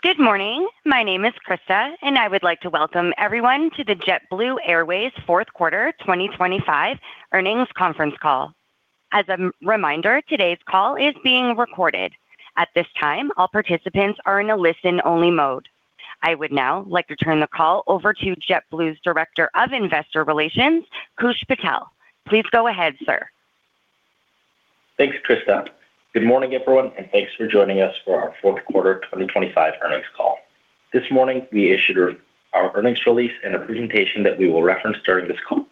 Good morning. My name is Krista, and I would like to welcome everyone to the JetBlue Airways fourth quarter 2025 earnings conference call. As a reminder, today's call is being recorded. At this time, all participants are in a listen-only mode. I would now like to turn the call over to JetBlue's Director of Investor Relations, Koosh Patel. Please go ahead, sir. Thanks, Krista. Good morning, everyone, and thanks for joining us for our fourth quarter 2025 earnings call. This morning, we issued our earnings release and a presentation that we will reference during this call.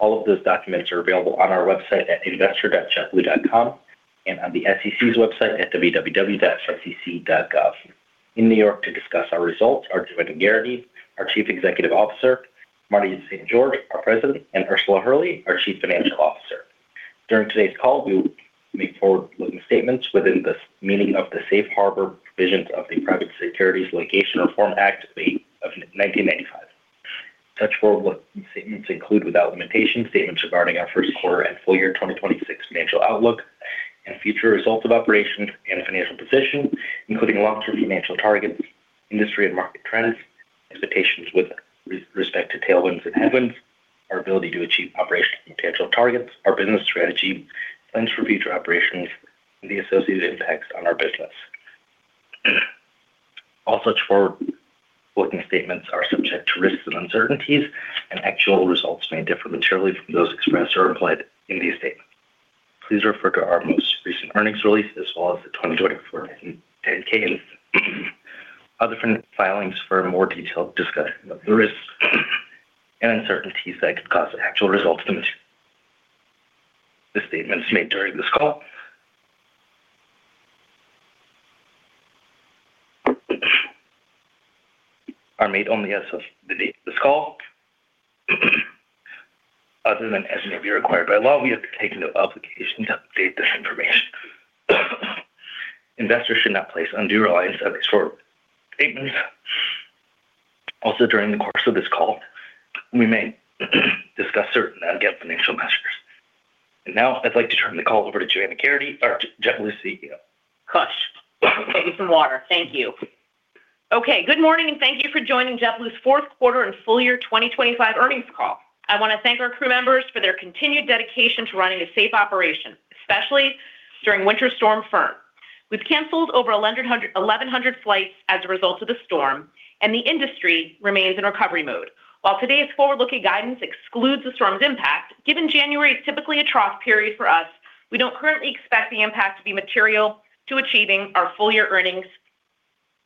All of those documents are available on our website at investor.jetblue.com and on the SEC's website at www.sec.gov. In New York to discuss our results are Joanna Geraghty, our Chief Executive Officer, Marty St. George, our President, and Ursula Hurley, our Chief Financial Officer. During today's call, we will make forward-looking statements within the meaning of the safe harbor provisions of the Private Securities Litigation Reform Act of 1995. Such forward-looking statements include, without limitation, statements regarding our first quarter and full year 2026 financial outlook and future results of operations and financial position, including long-term financial targets, industry and market trends, expectations with respect to tailwinds and headwinds, our ability to achieve operational and financial targets, our business strategy, plans for future operations, and the associated impacts on our business. All such forward-looking statements are subject to risks and uncertainties, and actual results may differ materially from those expressed or implied in these statements. Please refer to our most recent earnings release, as well as the 2024 10-K and other filings for a more detailed discussion of the risks and uncertainties that could cause actual results to material... The statements made during this call are made only as of the date of this call. Other than as may be required by law, we have to take no obligation to update this information. Investors should not place undue reliance on these forward statements. Also, during the course of this call, we may discuss certain GAAP financial measures. Now I'd like to turn the call over to Joanna Geraghty, our JetBlue CEO. Kush, get me some water. Thank you. Okay, good morning, and thank you for joining JetBlue's fourth quarter and full year 2025 earnings call. I want to thank our crew members for their continued dedication to running a safe operation, especially during Winter Storm Fern. We've canceled over 1,100, 1,100 flights as a result of the storm, and the industry remains in recovery mode. While today's forward-looking guidance excludes the storm's impact, given January is typically a trough period for us, we don't currently expect the impact to be material to achieving our full-year earnings,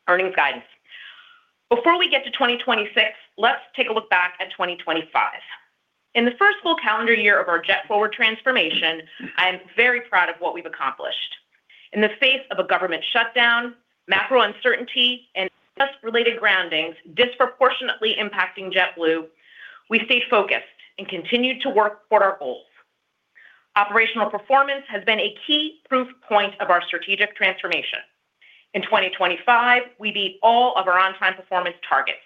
earnings guidance. Before we get to 2026, let's take a look back at 2025. In the first full calendar year of our JetForward transformation, I'm very proud of what we've accomplished. In the face of a government shutdown, macro uncertainty, and just related groundings disproportionately impacting JetBlue, we stayed focused and continued to work toward our goals. Operational performance has been a key proof point of our strategic transformation. In 2025, we beat all of our on-time performance targets,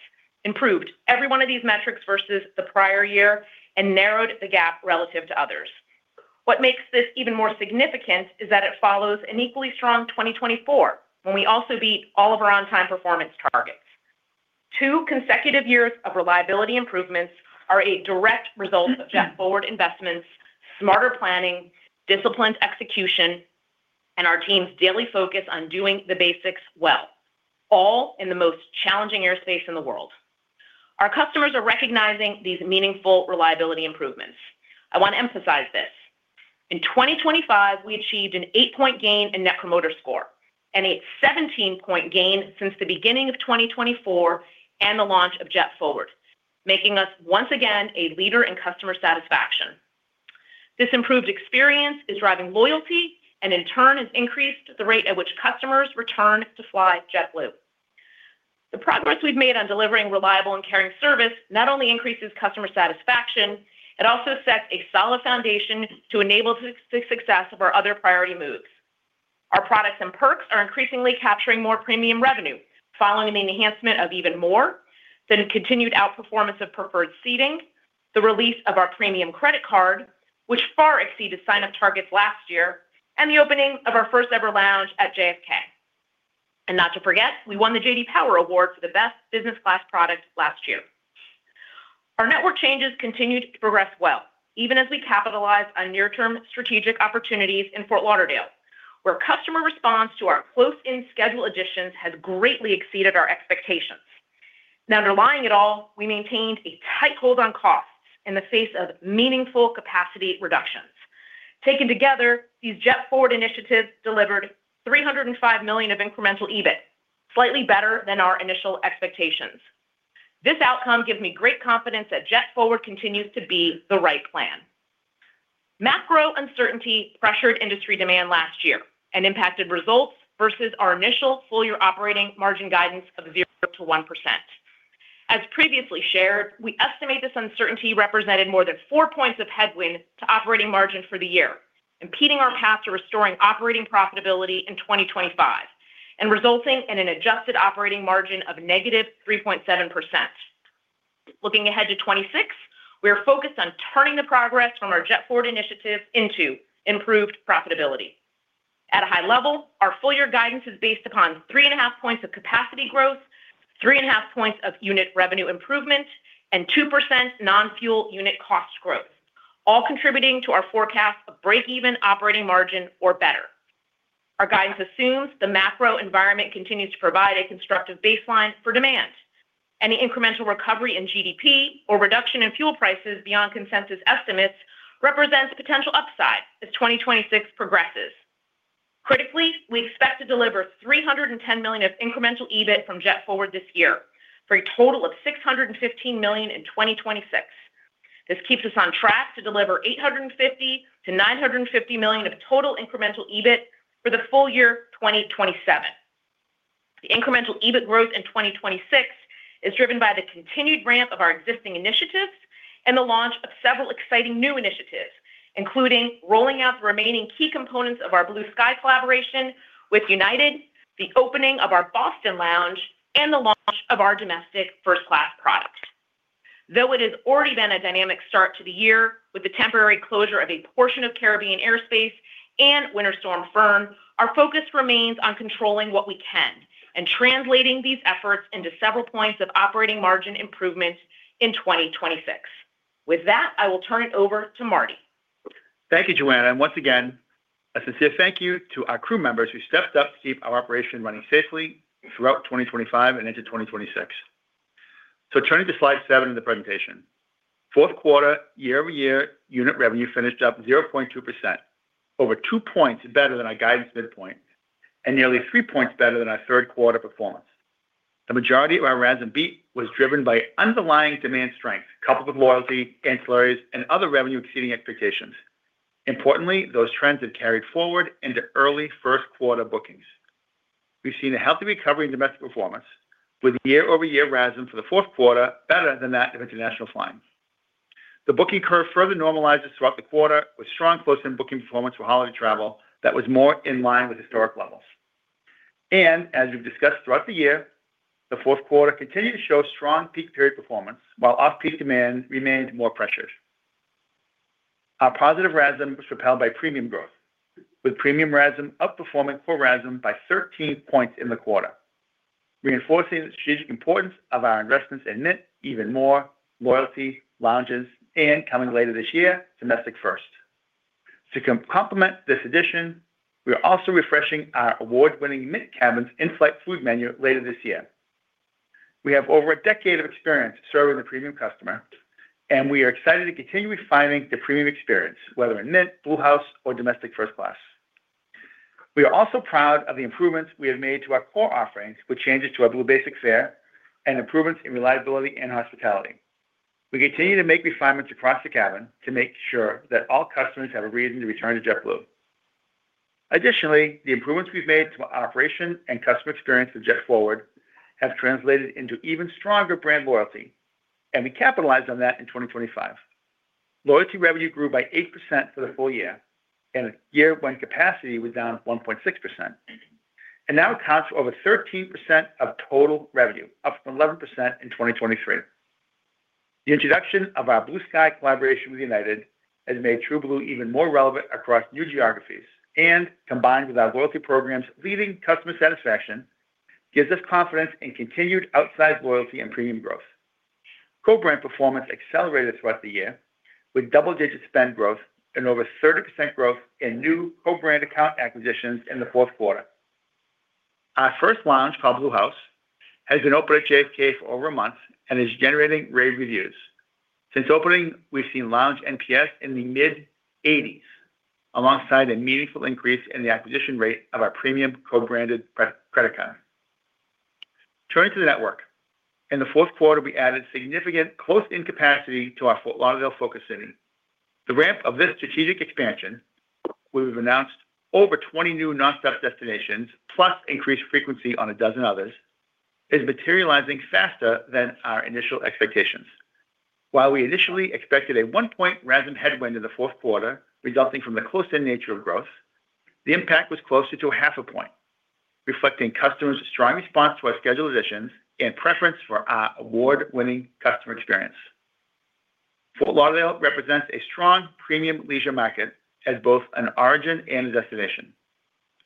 improved every one of these metrics versus the prior year, and narrowed the gap relative to others. What makes this even more significant is that it follows an equally strong 2024, when we also beat all of our on-time performance targets. Two consecutive years of reliability improvements are a direct result of JetForward investments, smarter planning, disciplined execution, and our team's daily focus on doing the basics well, all in the most challenging airspace in the world. Our customers are recognizing these meaningful reliability improvements. I want to emphasize this. In 2025, we achieved an 8-point gain in Net Promoter Score and a 17-point gain since the beginning of 2024 and the launch of JetForward, making us once again a leader in customer satisfaction. This improved experience is driving loyalty and, in turn, has increased the rate at which customers return to fly JetBlue. The progress we've made on delivering reliable and caring service not only increases customer satisfaction, it also sets a solid foundation to enable the success of our other priority moves. Our products and perks are increasingly capturing more premium revenue, following an enhancement of Even More, then a continued outperformance of preferred seating, the release of our premium credit card, which far exceeded sign-up targets last year, and the opening of our first-ever lounge at JFK. And not to forget, we won the J.D. Power Award for the best business class product last year. Our network changes continued to progress well, even as we capitalize on near-term strategic opportunities in Fort Lauderdale, where customer response to our close-in schedule additions has greatly exceeded our expectations. Now, underlying it all, we maintained a tight hold on costs in the face of meaningful capacity reductions. Taken together, these JetForward initiatives delivered $305 million of incremental EBIT, slightly better than our initial expectations. This outcome gives me great confidence that JetForward continues to be the right plan. Macro uncertainty pressured industry demand last year and impacted results versus our initial full-year operating margin guidance of 0%-1%. As previously shared, we estimate this uncertainty represented more than four points of headwind to operating margin for the year, impeding our path to restoring operating profitability in 2025 and resulting in an adjusted operating margin of -3.7%... Looking ahead to 2026, we are focused on turning the progress from our JetForward initiative into improved profitability. At a high level, our full year guidance is based upon 3.5 points of capacity growth, 3.5 points of unit revenue improvement, and 2% non-fuel unit cost growth, all contributing to our forecast of breakeven operating margin or better. Our guidance assumes the macro environment continues to provide a constructive baseline for demand. Any incremental recovery in GDP or reduction in fuel prices beyond consensus estimates represents potential upside as 2026 progresses. Critically, we expect to deliver $310 million of incremental EBIT from JetForward this year, for a total of $615 million in 2026. This keeps us on track to deliver $850 million-$950 million of total incremental EBIT for the full year 2027. The incremental EBIT growth in 2026 is driven by the continued ramp of our existing initiatives and the launch of several exciting new initiatives, including rolling out the remaining key components of our Blue Sky collaboration with United, the opening of our Boston Lounge, and the launch of our Domestic First Class product. Though it has already been a dynamic start to the year, with the temporary closure of a portion of Caribbean airspace and Winter Storm Fern, our focus remains on controlling what we can and translating these efforts into several points of operating margin improvement in 2026. With that, I will turn it over to Marty. Thank you, Joanna, and once again, a sincere thank you to our crew members who stepped up to keep our operation running safely throughout 2025 and into 2026. So turning to slide 7 of the presentation. Fourth quarter, year-over-year unit revenue finished up 0.2%, over 2 points better than our guidance midpoint, and nearly 3 points better than our third quarter performance. The majority of our RASM beat was driven by underlying demand strength, coupled with loyalty, ancillaries, and other revenue exceeding expectations. Importantly, those trends have carried forward into early first quarter bookings. We've seen a healthy recovery in domestic performance, with year-over-year RASM for the fourth quarter better than that of international flying. The booking curve further normalizes throughout the quarter, with strong close-in booking performance for holiday travel that was more in line with historic levels. As we've discussed throughout the year, the fourth quarter continued to show strong peak period performance, while off-peak demand remained more pressured. Our positive RASM was propelled by premium growth, with premium RASM outperforming core RASM by 13 points in the quarter, reinforcing the strategic importance of our investments in Mint, EvenMore, loyalty, lounges, and coming later this year, domestic first. To complement this addition, we are also refreshing our award-winning Mint cabins in-flight food menu later this year. We have over a decade of experience serving the premium customer, and we are excited to continue refining the premium experience, whether in Mint, BlueHouse or domestic first class. We are also proud of the improvements we have made to our core offerings, with changes to our Blue Basic fare and improvements in reliability and hospitality. We continue to make refinements across the cabin to make sure that all customers have a reason to return to JetBlue. Additionally, the improvements we've made to our operation and customer experience with JetForward have translated into even stronger brand loyalty, and we capitalized on that in 2025. Loyalty revenue grew by 8% for the full year, in a year when capacity was down 1.6%, and now accounts for over 13% of total revenue, up from 11% in 2023. The introduction of our Blue Sky collaboration with United has made TrueBlue even more relevant across new geographies, and combined with our loyalty programs, leading customer satisfaction gives us confidence in continued outsized loyalty and premium growth. Co-brand performance accelerated throughout the year, with double-digit spend growth and over 30% growth in new co-brand account acquisitions in the fourth quarter. Our first lounge, called BlueHouse, has been open at JFK for over a month and is generating great reviews. Since opening, we've seen lounge NPS in the mid-80s, alongside a meaningful increase in the acquisition rate of our premium co-branded credit card. Turning to the network. In the fourth quarter, we added significant close-in capacity to our Fort Lauderdale focus city. The ramp of this strategic expansion, where we've announced over 20 new nonstop destinations, plus increased frequency on a dozen others, is materializing faster than our initial expectations. While we initially expected a 1-point RASM headwind in the fourth quarter, resulting from the close-in nature of growth, the impact was closer to 0.5 point, reflecting customers' strong response to our schedule additions and preference for our award-winning customer experience. Fort Lauderdale represents a strong premium leisure market as both an origin and a destination.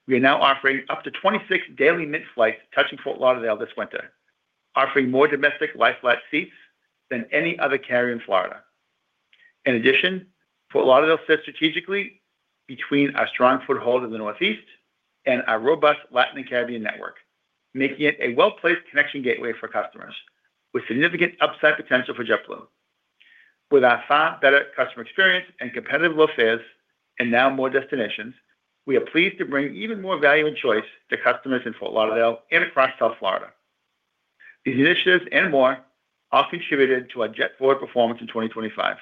We are now offering up to 26 daily Mint flights touching Fort Lauderdale this winter, offering more domestic lie-flat seats than any other carrier in Florida. In addition, Fort Lauderdale sits strategically between our strong foothold in the Northeast and our robust Latin and Caribbean network, making it a well-placed connection gateway for customers with significant upside potential for JetBlue. With our far better customer experience and competitive low fares, and now more destinations, we are pleased to bring even more value and choice to customers in Fort Lauderdale and across South Florida. These initiatives and more all contributed to our JetForward performance in 2025.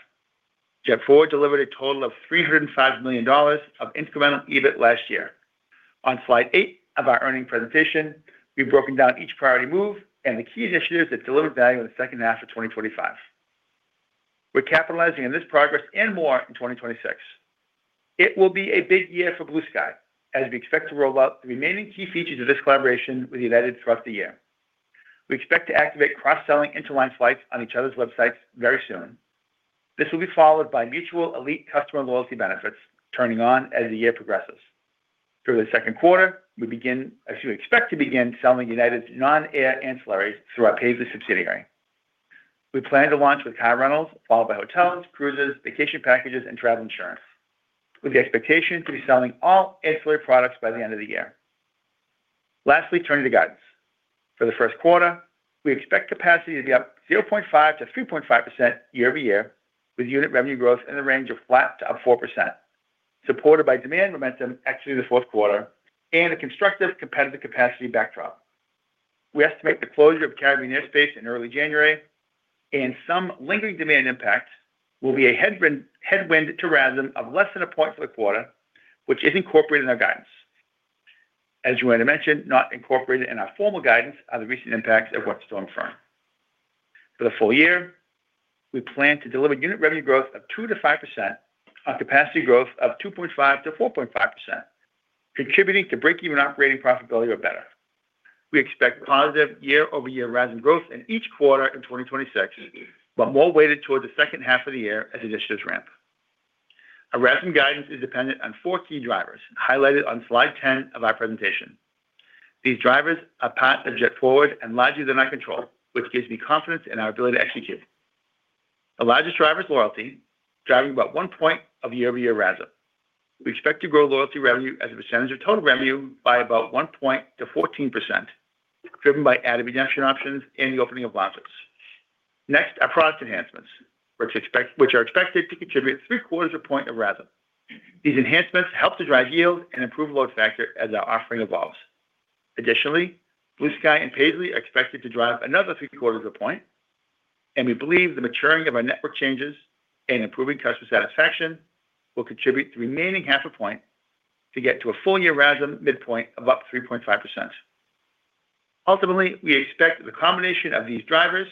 JetForward delivered a total of $305 million of incremental EBIT last year. On slide eight of our earnings presentation, we've broken down each priority move and the key initiatives that delivered value in the second half of 2025. We're capitalizing on this progress and more in 2026. It will be a big year for Blue Sky, as we expect to roll out the remaining key features of this collaboration with United throughout the year. We expect to activate cross-selling interline flights on each other's websites very soon. This will be followed by mutual elite customer loyalty benefits, turning on as the year progresses. Through the second quarter, as we expect to begin selling United's non-air ancillaries through our Paisly subsidiary. We plan to launch with car rentals, followed by hotels, cruises, vacation packages, and travel insurance, with the expectation to be selling all ancillary products by the end of the year. Lastly, turning to guidance. For the first quarter, we expect capacity to be up 0.5%-3.5% year-over-year, with unit revenue growth in the range of flat to up 4%, supported by demand momentum, actually the fourth quarter, and a constructive competitive capacity backdrop. We estimate the closure of Caribbean airspace in early January, and some lingering demand impact will be a headwind to RASM of less than a point for the quarter, which is incorporated in our guidance. As Joanna mentioned, not incorporated in our formal guidance are the recent impacts of Winter Storm Fern. For the full year, we plan to deliver unit revenue growth of 2%-5% on capacity growth of 2.5%-4.5%, contributing to break-even operating profitability or better. We expect positive year-over-year RASM growth in each quarter in 2026, but more weighted towards the second half of the year as initiatives ramp. Our RASM guidance is dependent on four key drivers, highlighted on slide 10 of our presentation. These drivers are part of JetForward and larger than I control, which gives me confidence in our ability to execute. The largest driver is loyalty, driving about one point of year-over-year RASM. We expect to grow loyalty revenue as a percentage of total revenue by about one point to 14%, driven by added redemption options and the opening of office. Next are product enhancements, which are expected to contribute three-quarters a point of RASM. These enhancements help to drive yield and improve load factor as our offering evolves. Additionally, Blue Sky and Paisly are expected to drive another three-quarters a point, and we believe the maturing of our network changes and improving customer satisfaction will contribute to the remaining half a point to get to a full-year RASM midpoint of up to 3.5%. Ultimately, we expect the combination of these drivers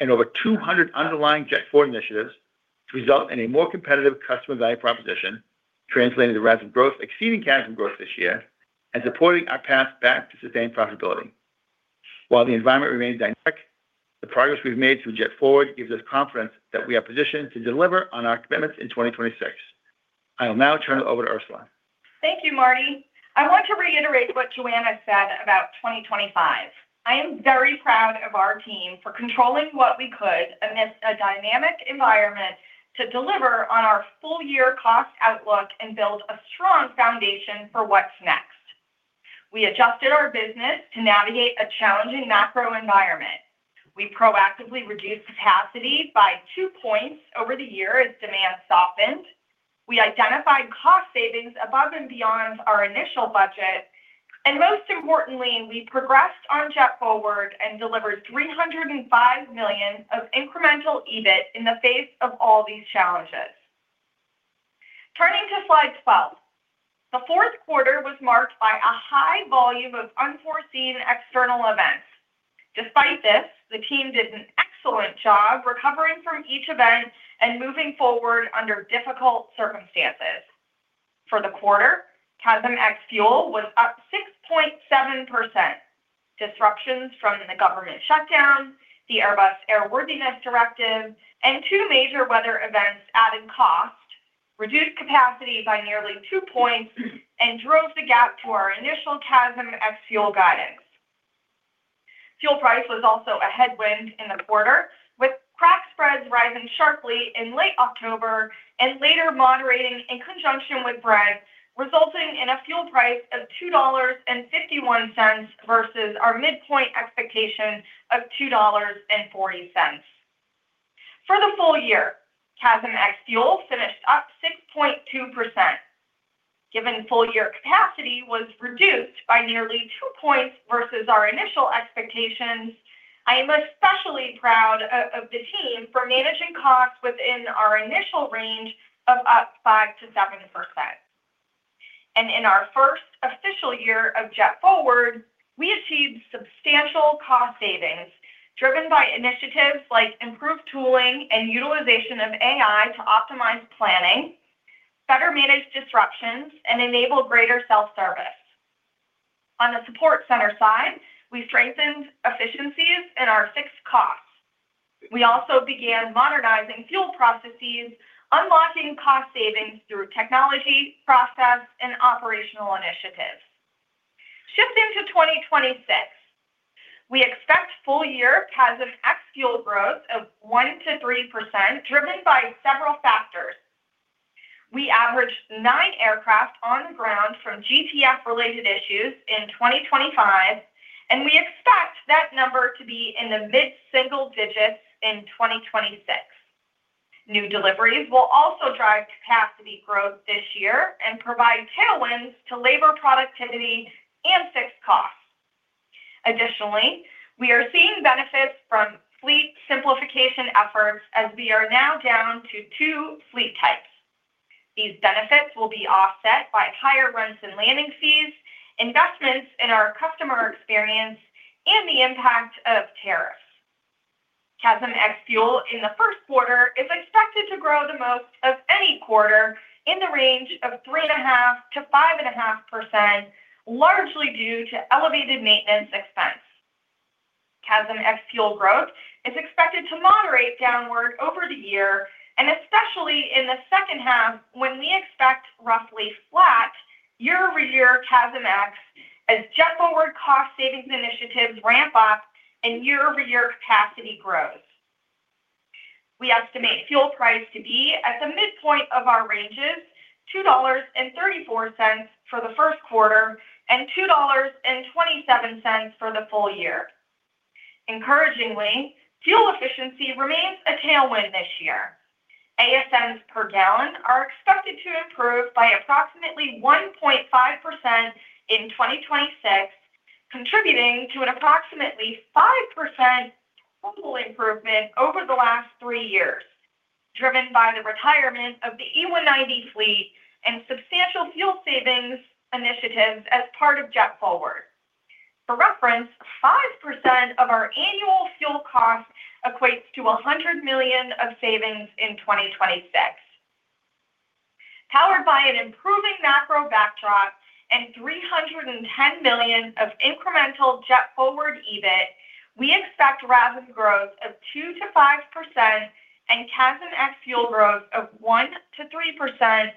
and over 200 underlying JetForward initiatives to result in a more competitive customer value proposition, translating to RASM growth exceeding CASM growth this year, and supporting our path back to sustained profitability. While the environment remains dynamic, the progress we've made through JetForward gives us confidence that we are positioned to deliver on our commitments in 2026. I will now turn it over to Ursula. Thank you, Marty. I want to reiterate what Joanna said about 2025. I am very proud of our team for controlling what we could amidst a dynamic environment to deliver on our full-year cost outlook and build a strong foundation for what's next. We adjusted our business to navigate a challenging macro environment. We proactively reduced capacity by 2 points over the year as demand softened. We identified cost savings above and beyond our initial budget, and most importantly, we progressed on JetForward and delivered $305 million of incremental EBIT in the face of all these challenges. Turning to slide 12. The fourth quarter was marked by a high volume of unforeseen external events. Despite this, the team did an excellent job recovering from each event and moving forward under difficult circumstances. For the quarter, CASM ex-fuel was up 6.7%. Disruptions from the government shutdown, the Airbus Airworthiness Directive, and two major weather events added cost, reduced capacity by nearly 2 points, and drove the gap to our initial CASM ex-fuel guidance. Fuel price was also a headwind in the quarter, with crack spreads rising sharply in late October and later moderating in conjunction with Brent, resulting in a fuel price of $2.51 versus our midpoint expectation of $2.40. For the full year, CASM ex-fuel finished up 6.2%. Given full-year capacity was reduced by nearly 2 points versus our initial expectations, I am especially proud of the team for managing costs within our initial range of up 5%-7%. In our first official year of JetForward, we achieved substantial cost savings, driven by initiatives like improved tooling and utilization of AI to optimize planning, better manage disruptions, and enable greater self-service. On the support center side, we strengthened efficiencies and our fixed costs. We also began modernizing fuel processes, unlocking cost savings through technology, process, and operational initiatives. Shifting to 2026, we expect full-year CASM ex-fuel growth of 1%-3%, driven by several factors. We averaged 9 aircraft on the ground from GTF-related issues in 2025, and we expect that number to be in the mid-single digits in 2026. New deliveries will also drive capacity growth this year and provide tailwinds to labor productivity and fixed costs. Additionally, we are seeing benefits from fleet simplification efforts as we are now down to two fleet types. These benefits will be offset by higher rents and landing fees, investments in our customer experience, and the impact of tariffs. CASM ex fuel in the first quarter is expected to grow the most of any quarter in the range of 3.5%-5.5%, largely due to elevated maintenance expense. CASM ex fuel growth is expected to moderate downward over the year, and especially in the second half, when we expect roughly flat year-over-year CASM ex fuel as JetForward cost savings initiatives ramp up and year-over-year capacity grows. We estimate fuel price to be at the midpoint of our ranges, $2.34 for the first quarter and $2.27 for the full year. Encouragingly, fuel efficiency remains a tailwind this year. ASMs per gallon are expected to improve by approximately 1.5% in 2026, contributing to an approximately 5% total improvement over the last three years, driven by the retirement of the E190 fleet and substantial fuel savings initiatives as part of JetForward. For reference, 5% of our annual fuel cost equates to $100 million in savings in 2026. Powered by an improving macro backdrop and $310 million of incremental JetForward EBIT, we expect RASM growth of 2%-5% and CASM ex fuel growth of 1%-3%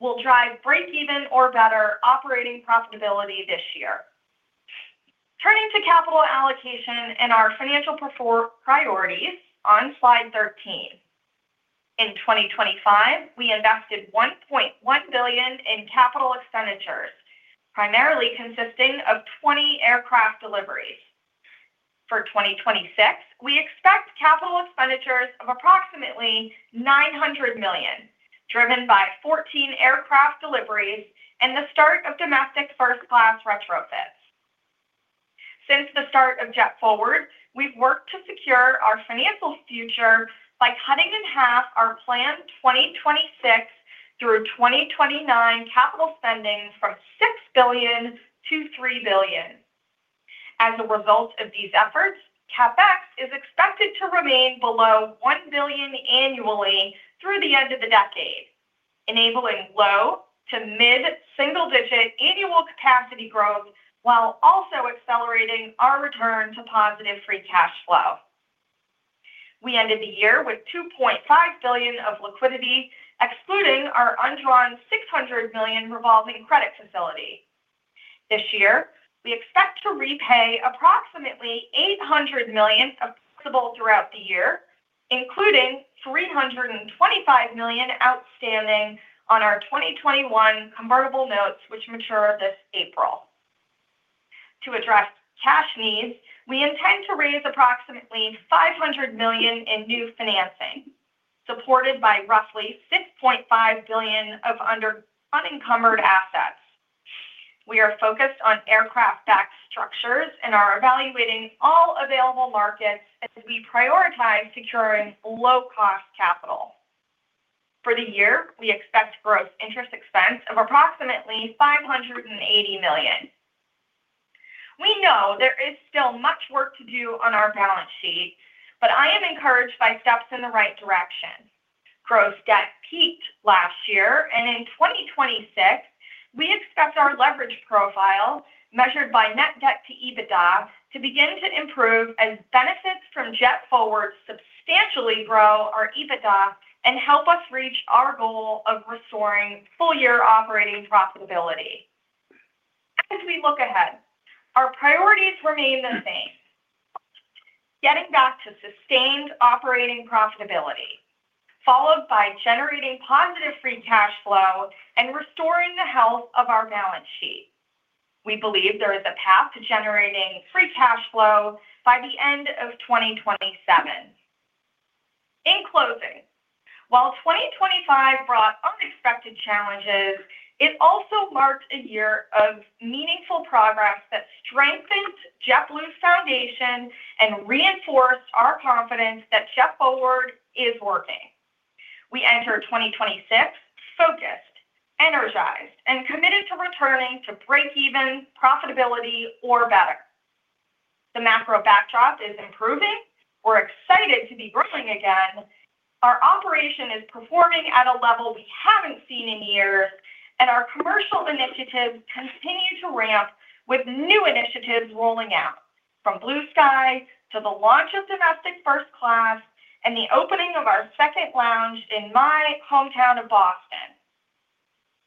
will drive break-even or better operating profitability this year. Turning to capital allocation and our financial perform priorities on slide 13. In 2025, we invested $1.1 billion in capital expenditures, primarily consisting of 20 aircraft deliveries. For 2026, we expect capital expenditures of approximately $900 million, driven by 14 aircraft deliveries and the start of domestic first-class retrofits. Since the start of JetForward, we've worked to secure our financial future by cutting in half our planned 2026 through 2029 capital spending from $6 billion to $3 billion. As a result of these efforts, CapEx is expected to remain below $1 billion annually through the end of the decade, enabling low to mid-single-digit annual capacity growth, while also accelerating our return to positive free cash flow. We ended the year with $2.5 billion of liquidity, excluding our undrawn $600 million revolving credit facility. This year, we expect to repay approximately $800 million of principal throughout the year, including $325 million outstanding on our 2021 convertible notes, which mature this April. To address cash needs, we intend to raise approximately $500 million in new financing, supported by roughly $6.5 billion of unencumbered assets. We are focused on aircraft-backed structures and are evaluating all available markets as we prioritize securing low-cost capital. For the year, we expect gross interest expense of approximately $580 million. We know there is still much work to do on our balance sheet, but I am encouraged by steps in the right direction. Gross debt peaked last year, and in 2026, we expect our leverage profile, measured by net debt to EBITDA, to begin to improve as benefits from JetForward substantially grow our EBITDA and help us reach our goal of restoring full-year operating profitability. As we look ahead, our priorities remain the same: getting back to sustained operating profitability, followed by generating positive free cash flow and restoring the health of our balance sheet. We believe there is a path to generating free cash flow by the end of 2027. In closing, while 2025 brought unexpected challenges, it also marked a year of meaningful progress that strengthened JetBlue's foundation and reinforced our confidence that JetForward is working. We enter 2026 focused, energized, and committed to returning to break-even profitability or better. The macro backdrop is improving. We're excited to be growing again. Our operation is performing at a level we haven't seen in years, and our commercial initiatives continue to ramp with new initiatives rolling out, from Blue Sky to the launch of Domestic First Class and the opening of our second lounge in my hometown of Boston.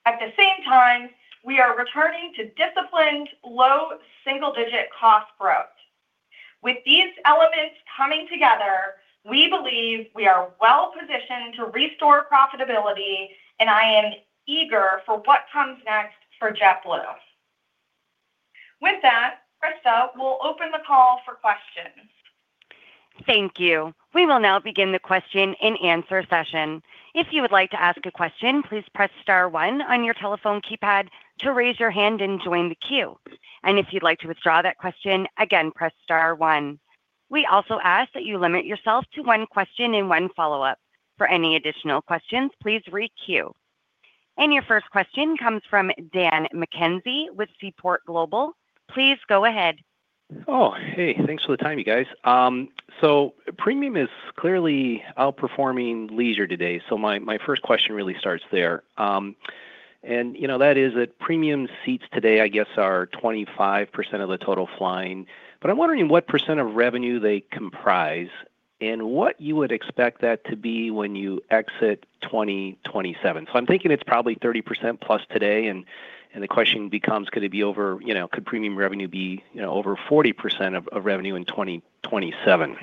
At the same time, we are returning to disciplined, low, single-digit cost growth. With these elements coming together, we believe we are well-positioned to restore profitability, and I am eager for what comes next for JetBlue. With that, Krista will open the call for questions. Thank you. We will now begin the question-and-answer session. If you would like to ask a question, please press star one on your telephone keypad to raise your hand and join the queue. And if you'd like to withdraw that question, again, press star one.... We also ask that you limit yourself to one question and one follow-up. For any additional questions, please re-queue. And your first question comes from Dan McKenzie with Seaport Global. Please go ahead. Oh, hey, thanks for the time, you guys. So premium is clearly outperforming leisure today, so my first question really starts there. And, you know, that is that premium seats today, I guess, are 25% of the total flying, but I'm wondering what percent of revenue they comprise and what you would expect that to be when you exit 2027. So I'm thinking it's probably 30% plus today, and the question becomes: could it be over, you know, could Premium revenue be, you know, over 40% of revenue in 2027?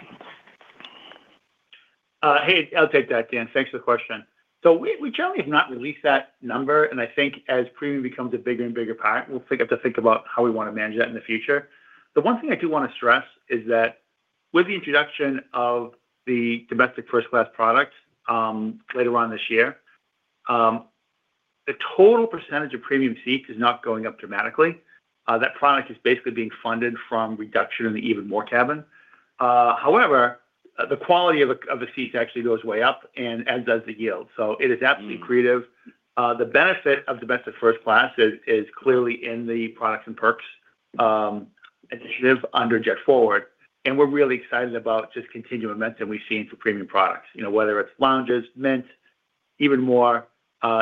Hey, I'll take that, Dan. Thanks for the question. So we generally have not released that number, and I think as premium becomes a bigger and bigger part, we'll have to think about how we want to manage that in the future. The one thing I do want to stress is that with the introduction of the domestic first-class product, later on this year, the total percentage of premium seats is not going up dramatically. That product is basically being funded from reduction in the EvenMore cabin. However, the quality of the seats actually goes way up, and as does the yield, so it is absolutely creative. The benefit of domestic first class is clearly in the products and perks, as they live under JetForward, and we're really excited about just continuing the momentum we've seen for premium products. You know, whether it's lounges, Mint, Even More,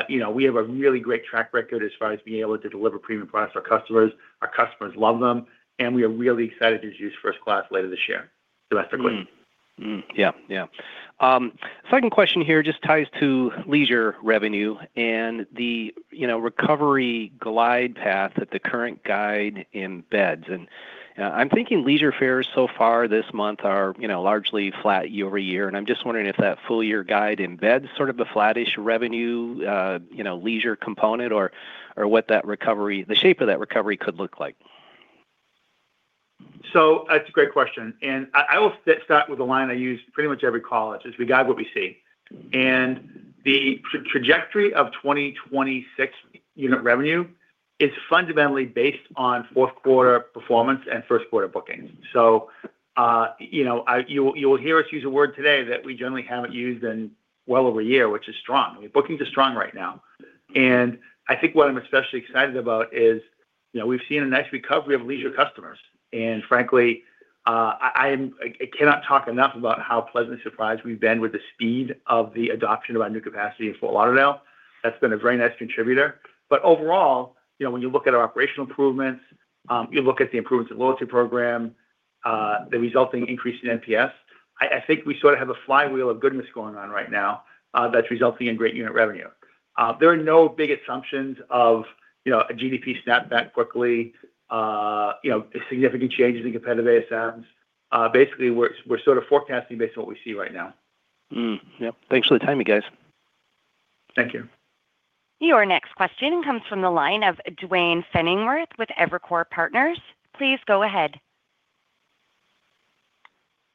you know, we have a really great track record as far as being able to deliver premium products to our customers. Our customers love them, and we are really excited to introduce first class later this year. So that's the question. Mm. Mm, yeah. Yeah. Second question here just ties to leisure revenue and the, you know, recovery glide path at the current guidance and beds. And, I'm thinking leisure fares so far this month are, you know, largely flat year-over-year, and I'm just wondering if that full-year guidance and beds is sort of a flattish revenue, you know, leisure component or, or what that recovery, the shape of that recovery could look like? So that's a great question, and I will start with a line I use pretty much every call, which is, "We guide what we see." And the trajectory of 2026 unit revenue is fundamentally based on fourth quarter performance and first quarter bookings. So, you know, you will hear us use a word today that we generally haven't used in well over a year, which is strong. Bookings are strong right now. And I think what I'm especially excited about is, you know, we've seen a nice recovery of leisure customers, and frankly, I cannot talk enough about how pleasantly surprised we've been with the speed of the adoption of our new capacity in Fort Lauderdale. That's been a very nice contributor. But overall, you know, when you look at our operational improvements, you look at the improvements in loyalty program, the resulting increase in NPS, I think we sort of have a flywheel of goodness going on right now, that's resulting in great unit revenue. There are no big assumptions of, you know, a GDP snap back quickly, you know, significant changes in competitive ASMs. Basically, we're sort of forecasting based on what we see right now. Mm. Yep. Thanks for the time, you guys. Thank you. Your next question comes from the line of Duane Pfennigwerth with Evercore ISI. Please go ahead.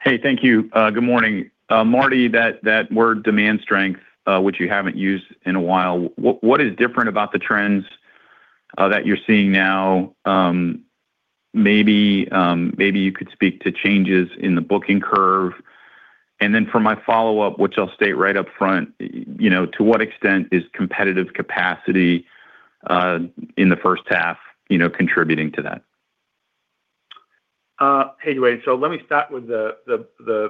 Hey, thank you. Good morning. Marty, that word demand strength, which you haven't used in a while, what is different about the trends that you're seeing now? Maybe you could speak to changes in the booking curve. And then for my follow-up, which I'll state right up front, you know, to what extent is competitive capacity in the first half, you know, contributing to that? Hey, Duane. So let me start with a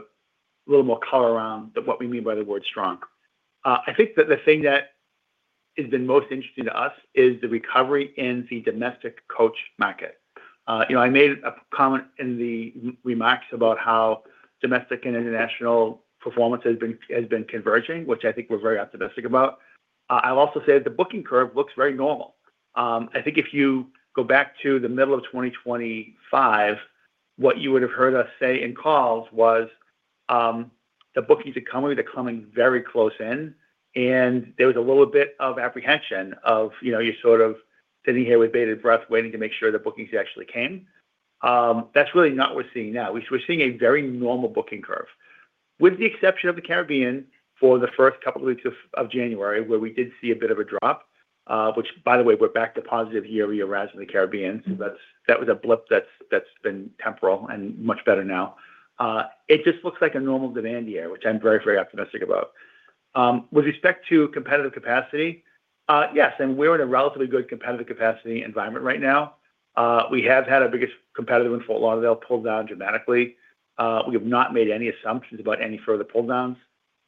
little more color around what we mean by the word strong. I think that the thing that has been most interesting to us is the recovery in the domestic coach market. You know, I made a comment in the remarks about how domestic and international performance has been converging, which I think we're very optimistic about. I'll also say the booking curve looks very normal. I think if you go back to the middle of 2025, what you would have heard us say in calls was, the bookings are coming, they're coming very close in, and there was a little bit of apprehension of, you know, you're sort of sitting here with bated breath, waiting to make sure the bookings actually came. That's really not what we're seeing now. We're seeing a very normal booking curve, with the exception of the Caribbean for the first couple of weeks of January, where we did see a bit of a drop, which, by the way, we're back to positive year-over-year rise in the Caribbean. So that was a blip that's been temporal and much better now. It just looks like a normal demand year, which I'm very, very optimistic about. With respect to competitive capacity, yes, and we're in a relatively good competitive capacity environment right now. We have had our biggest competitor in Fort Lauderdale pull down dramatically. We have not made any assumptions about any further pulldowns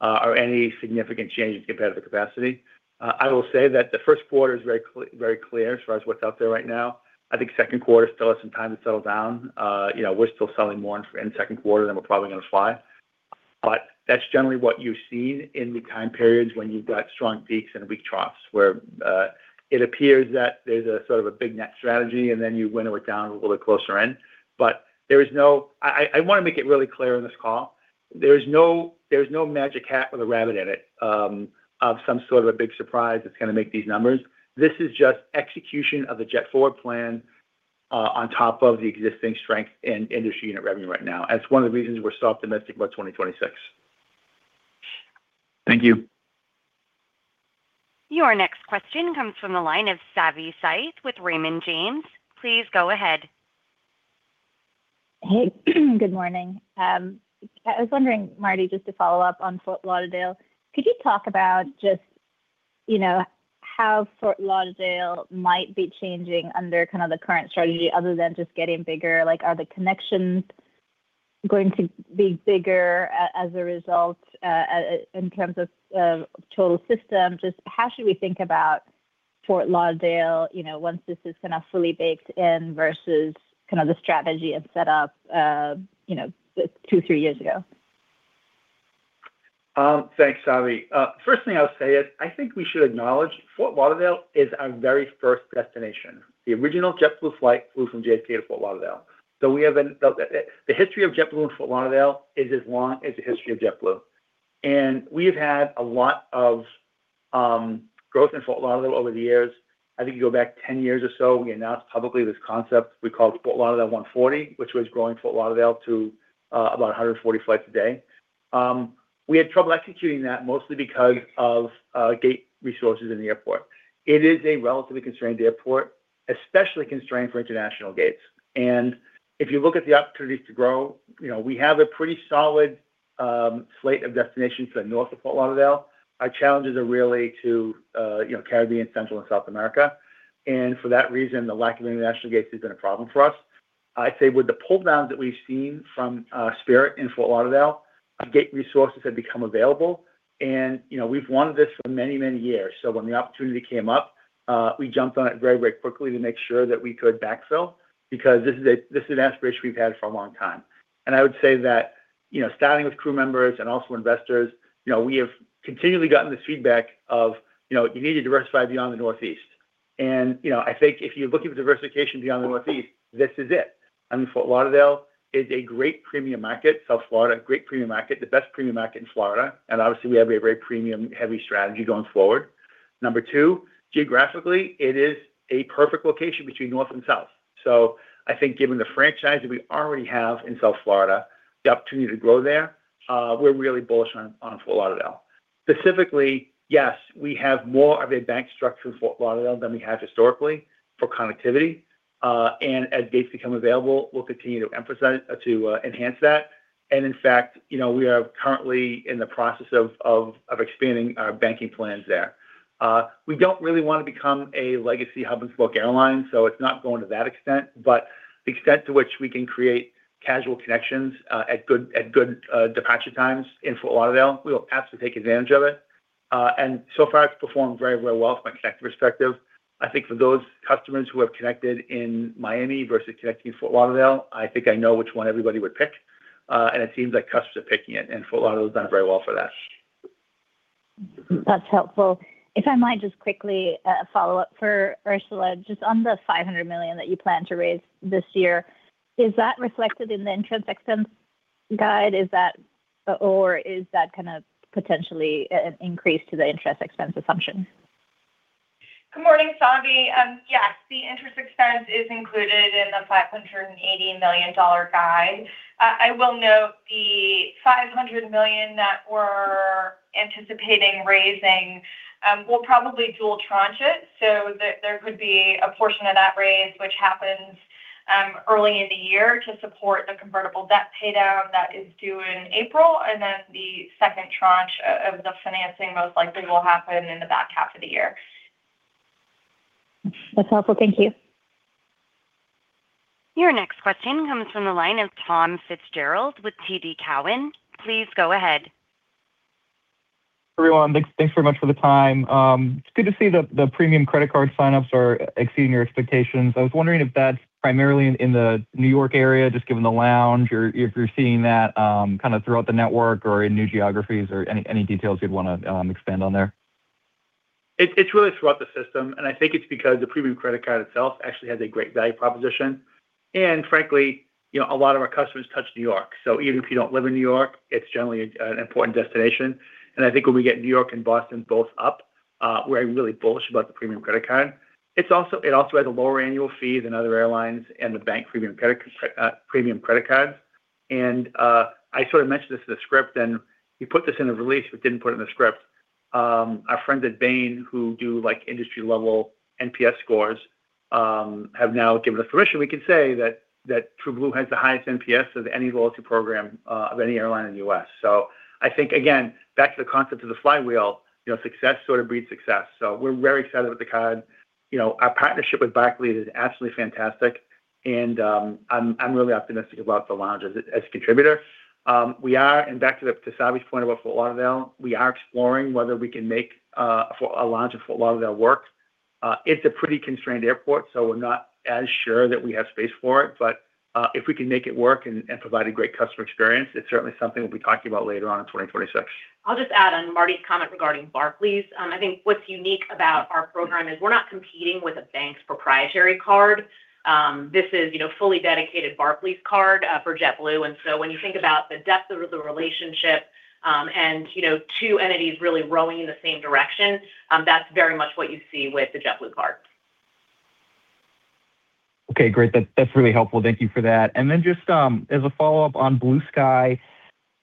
or any significant changes in competitive capacity. I will say that the first quarter is very clear as far as what's out there right now. I think second quarter still has some time to settle down. You know, we're still selling more in second quarter than we're probably going to fly. But that's generally what you've seen in the time periods when you've got strong peaks and weak troughs, where it appears that there's a sort of a big net strategy, and then you winnow it down a little bit closer in. But there is no. I, I, I want to make it really clear on this call, there is no, there is no magic hat with a rabbit in it, of some sort of a big surprise that's gonna make these numbers. This is just execution of the JetForward plan, on top of the existing strength in industry unit revenue right now. That's one of the reasons we're so optimistic about 2026. Thank you. Your next question comes from the line of Savi Syth with Raymond James. Please go ahead. Hey, good morning. I was wondering, Marty, just to follow up on Fort Lauderdale, could you talk about just, you know, how Fort Lauderdale might be changing under kind of the current strategy other than just getting bigger? Like, are the connections going to be bigger as a result, in terms of total system? Just how should we think about Fort Lauderdale, you know, once this is kind of fully baked in versus kind of the strategy it set up, you know, two, three years ago? Thanks, Savi. First thing I'll say is, I think we should acknowledge Fort Lauderdale is our very first destination. The original JetBlue flight flew from JFK to Fort Lauderdale. So we have the history of JetBlue in Fort Lauderdale is as long as the history of JetBlue. And we have had a lot of growth in Fort Lauderdale over the years. I think if you go back 10 years or so, we announced publicly this concept we called Fort Lauderdale 140, which was growing Fort Lauderdale to about 140 flights a day. We had trouble executing that, mostly because of gate resources in the airport. It is a relatively constrained airport, especially constrained for international gates. And if you look at the opportunities to grow, you know, we have a pretty solid slate of destinations to the north of Fort Lauderdale. Our challenges are really to, you know, Caribbean, Central and South America, and for that reason, the lack of international gates has been a problem for us. I'd say with the pulldowns that we've seen from Spirit in Fort Lauderdale, our gate resources have become available and, you know, we've wanted this for many, many years. So when the opportunity came up, we jumped on it very, very quickly to make sure that we could backfill, because this is a, this is an aspiration we've had for a long time. And I would say that, you know, starting with crew members and also investors, you know, we have continually gotten this feedback of, you know, you need to diversify beyond the Northeast. And, you know, I think if you're looking for diversification beyond the Northeast, this is it. I mean, Fort Lauderdale is a great premium market, South Florida, great premium market, the best premium market in Florida, and obviously, we have a very premium-heavy strategy going forward. Number two, geographically, it is a perfect location between North and South. So I think given the franchise that we already have in South Florida, the opportunity to grow there, we're really bullish on Fort Lauderdale. Specifically, yes, we have more of a bank structure in Fort Lauderdale than we have historically for connectivity. And as gates become available, we'll continue to emphasize to enhance that. In fact, you know, we are currently in the process of expanding our banking plans there. We don't really want to become a legacy hub-and-spoke airline, so it's not going to that extent, but the extent to which we can create casual connections at good departure times in Fort Lauderdale, we will absolutely take advantage of it. And so far, it's performed very, very well from a connect perspective. I think for those customers who have connected in Miami versus connecting in Fort Lauderdale, I think I know which one everybody would pick, and it seems like customers are picking it, and Fort Lauderdale has done very well for that. That's helpful. If I might just quickly follow up for Ursula, just on the $500 million that you plan to raise this year, is that reflected in the interest expense guide? Is that... Or is that kind of potentially an increase to the interest expense assumption? Good morning, Savi. Yes, the interest expense is included in the $580 million guide. I will note the $500 million that we're anticipating raising will probably dual tranche it, so there could be a portion of that raise, which happens early in the year to support the convertible debt paydown that is due in April, and then the second tranche of the financing most likely will happen in the back half of the year. That's helpful. Thank you. Your next question comes from the line of Tom Fitzgerald with TD Cowen. Please go ahead. Everyone, thanks, thanks very much for the time. It's good to see the premium credit card sign-ups are exceeding your expectations. I was wondering if that's primarily in the New York area, just given the lounge, or if you're seeing that kind of throughout the network or in new geographies, or any details you'd want to expand on there? It's really throughout the system, and I think it's because the premium credit card itself actually has a great value proposition. And frankly, you know, a lot of our customers touch New York. So even if you don't live in New York, it's generally an important destination. And I think when we get New York and Boston both up, we're really bullish about the premium credit card. It's also. It also has a lower annual fee than other airlines and the bank premium credit, premium credit cards. And I sort of mentioned this in the script, and we put this in the release, but didn't put it in the script. Our friends at Bain, who do, like, industry-level NPS scores, have now given us permission. We can say that TrueBlue has the highest NPS of any loyalty program of any airline in the U.S. So I think, again, back to the concept of the flywheel, you know, success sort of breeds success. So we're very excited about the card. You know, our partnership with Barclays is absolutely fantastic, and I'm really optimistic about the lounge as a contributor. We are, and back to Savi's point about Fort Lauderdale, exploring whether we can make a launch of Fort Lauderdale work. It's a pretty constrained airport, so we're not as sure that we have space for it. But if we can make it work and provide a great customer experience, it's certainly something we'll be talking about later on in 2026. I'll just add on Marty's comment regarding Barclays. I think what's unique about our program is we're not competing with a bank's proprietary card. This is, you know, a fully dedicated Barclays card for JetBlue. And so when you think about the depth of the relationship, and, you know, two entities really rowing in the same direction, that's very much what you see with the JetBlue card. ... Okay, great. That, that's really helpful. Thank you for that. And then just, as a follow-up on Blue Sky,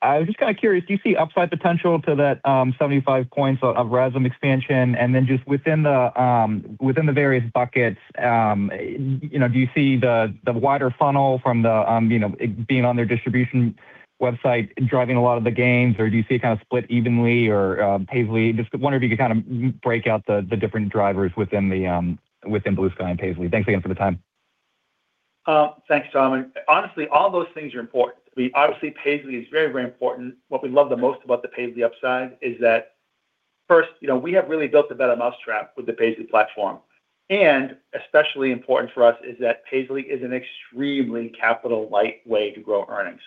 I was just kind of curious, do you see upside potential to that, 75 points of RASM expansion? And then just within the, within the various buckets, you know, do you see the, the wider funnel from the, you know, being on their distribution website driving a lot of the gains? Or do you see it kind of split evenly or, Paisly? Just wondering if you could kind of break out the, the different drivers within the, within Blue Sky and Paisly. Thanks again for the time. Thanks, John. Honestly, all those things are important. We obviously, Paisly is very, very important. What we love the most about the Paisly upside is that, first, you know, we have really built a better mousetrap with the Paisly platform. And especially important for us is that Paisly is an extremely capital-light way to grow earnings.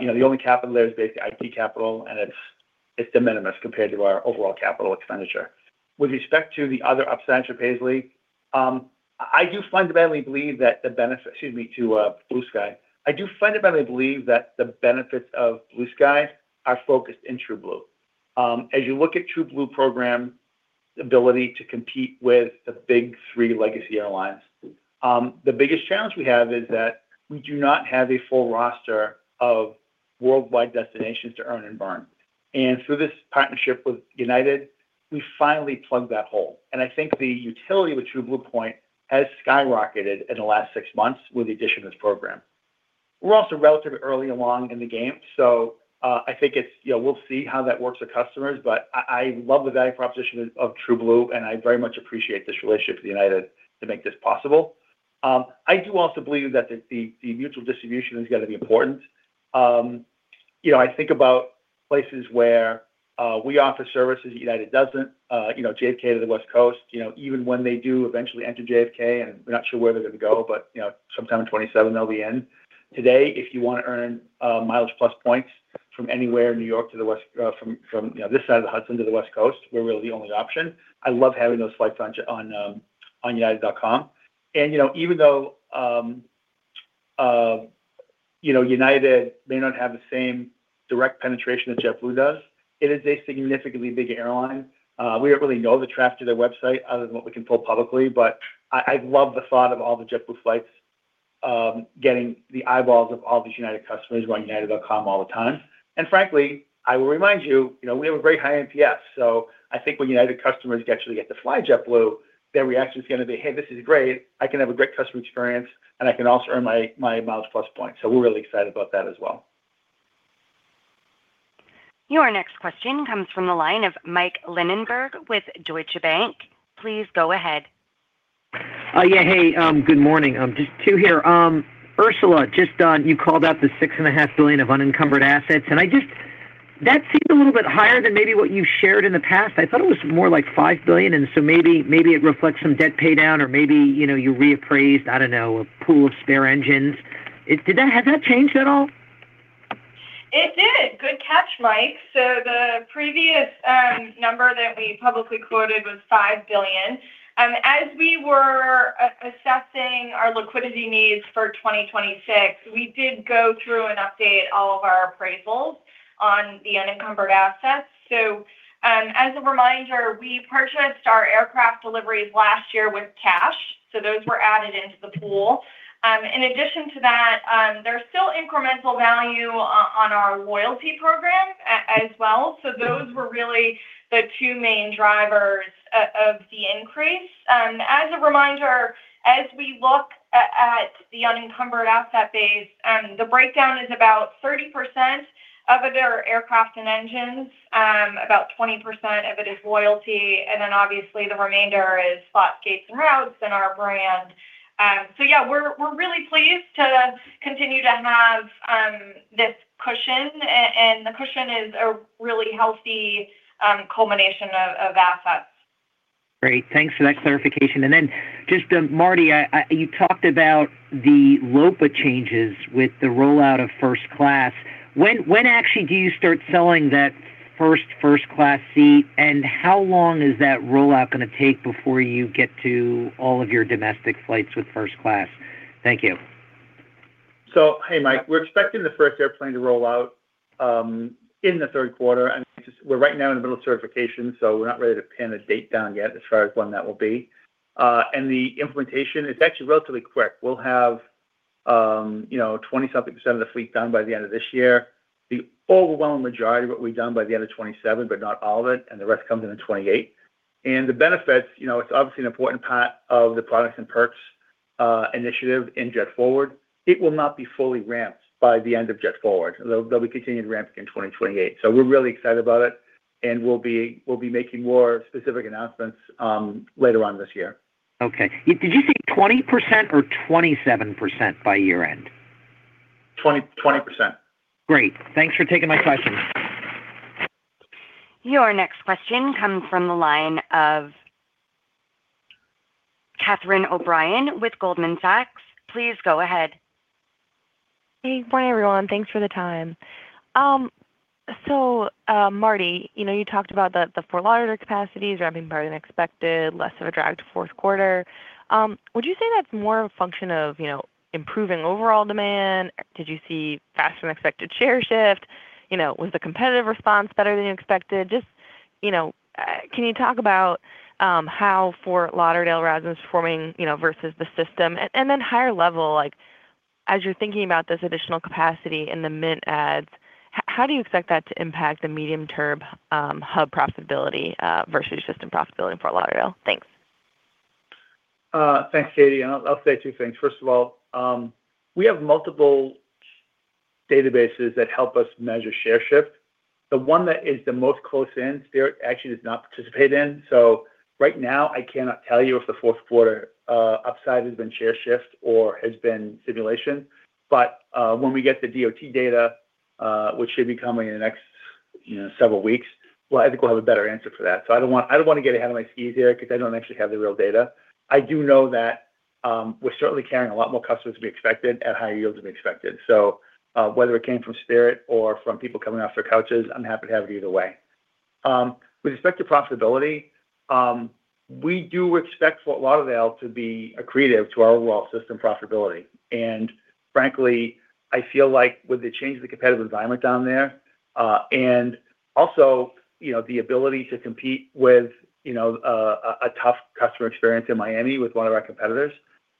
You know, the only capital there is basically IT capital, and it's de minimis compared to our overall capital expenditure. With respect to the other upside to Paisly, I do fundamentally believe that the benefits of Blue Sky are focused in TrueBlue. As you look at TrueBlue program ability to compete with the big three legacy airlines, the biggest challenge we have is that we do not have a full roster of worldwide destinations to earn and burn. And through this partnership with United, we finally plugged that hole, and I think the utility of a TrueBlue point has skyrocketed in the last six months with the addition of this program. We're also relatively early along in the game, so, I think it's, you know, we'll see how that works with customers, but I, I love the value proposition of TrueBlue, and I very much appreciate this relationship with United to make this possible. I do also believe that the, the mutual distribution is going to be important. You know, I think about places where we offer services, United doesn't, you know, JFK to the West Coast, you know, even when they do eventually enter JFK, and we're not sure where they're going to go, but, you know, sometime in 2027, they'll be in. Today, if you want to earn MileagePlus points from anywhere in New York to the West, from, you know, this side of the Hudson to the West Coast, we're really the only option. I love having those flights on united.com. And, you know, even though, you know, United may not have the same direct penetration that JetBlue does, it is a significantly big airline. We don't really know the traffic to their website other than what we can pull publicly, but I love the thought of all the JetBlue flights getting the eyeballs of all these United customers on united.com all the time. And frankly, I will remind you, you know, we have a very high NPS, so I think when United customers actually get to fly JetBlue, their reaction is going to be: "Hey, this is great. I can have a great customer experience, and I can also earn my MileagePlus points." So we're really excited about that as well. Your next question comes from the line of Mike Linenberg with Deutsche Bank. Please go ahead. Yeah. Hey, good morning. Just two here. Ursula, just on, you called out the $6.5 billion of unencumbered assets, and I just-- that seemed a little bit higher than maybe what you shared in the past. I thought it was more like $5 billion, and so maybe, maybe it reflects some debt paydown or maybe, you know, you reappraised, I don't know, a pool of spare engines. It, did that, has that changed at all? It did. Good catch, Mike. So the previous number that we publicly quoted was $5 billion. As we were assessing our liquidity needs for 2026, we did go through and update all of our appraisals on the unencumbered assets. So, as a reminder, we purchased our aircraft deliveries last year with cash, so those were added into the pool. In addition to that, there's still incremental value on our loyalty program as well. So those were really the two main drivers of the increase. As a reminder, as we look at the unencumbered asset base, the breakdown is about 30% of it are aircraft and engines, about 20% of it is loyalty, and then obviously the remainder is slot gates and routes and our brand. So yeah, we're really pleased to continue to have this cushion, and the cushion is a really healthy culmination of assets. Great. Thanks for that clarification. And then just, Marty, you talked about the LOPA changes with the rollout of first class. When actually do you start selling that first class seat, and how long is that rollout gonna take before you get to all of your domestic flights with first class? Thank you. So hey, Mike, we're expecting the first airplane to roll out in the third quarter, and we're right now in the middle of certification, so we're not ready to pin a date down yet as far as when that will be. And the implementation is actually relatively quick. We'll have, you know, 20-something% of the fleet done by the end of this year. The overwhelming majority will be done by the end of 2027, but not all of it, and the rest comes in in 2028. And the benefits, you know, it's obviously an important part of the products and perks initiative in JetForward. It will not be fully ramped by the end of JetForward. There, there'll be continued ramp in 2028. We're really excited about it, and we'll be making more specific announcements later on this year. Okay. Did you say 20% or 27% by year-end? 20, 20%. Great. Thanks for taking my questions. Your next question comes from the line of Catherine O'Brien with Goldman Sachs Group, Inc.. Please go ahead. Hey, good morning, everyone. Thanks for the time. So, Marty, you know, you talked about the Fort Lauderdale capacities ramping better than expected, less of a drag to fourth quarter. Would you say that's more a function of, you know, improving overall demand? Did you see faster than expected share shift? You know, was the competitive response better than expected? You know, can you talk about how Fort Lauderdale RASM is performing, you know, versus the system? And then higher level, like, as you're thinking about this additional capacity in the Mint adds, how do you expect that to impact the medium-term hub profitability versus system profitability in Fort Lauderdale? Thanks. Thanks, Katie. And I'll say two things. First of all, we have multiple databases that help us measure share shift. The one that is the most close in, Spirit actually does not participate in, so right now, I cannot tell you if the fourth quarter upside has been share shift or has been simulation. But when we get the DOT data, which should be coming in the next, you know, several weeks, well, I think we'll have a better answer for that. So I don't want, I don't want to get ahead of my skis here because I don't actually have the real data. I do know that we're certainly carrying a lot more customers than we expected at higher yields than we expected. So, whether it came from Spirit or from people coming off their couches, I'm happy to have it either way. With respect to profitability, we do expect Fort Lauderdale to be accretive to our overall system profitability. And frankly, I feel like with the change in the competitive environment down there, and also, you know, the ability to compete with, you know, a tough customer experience in Miami with one of our competitors,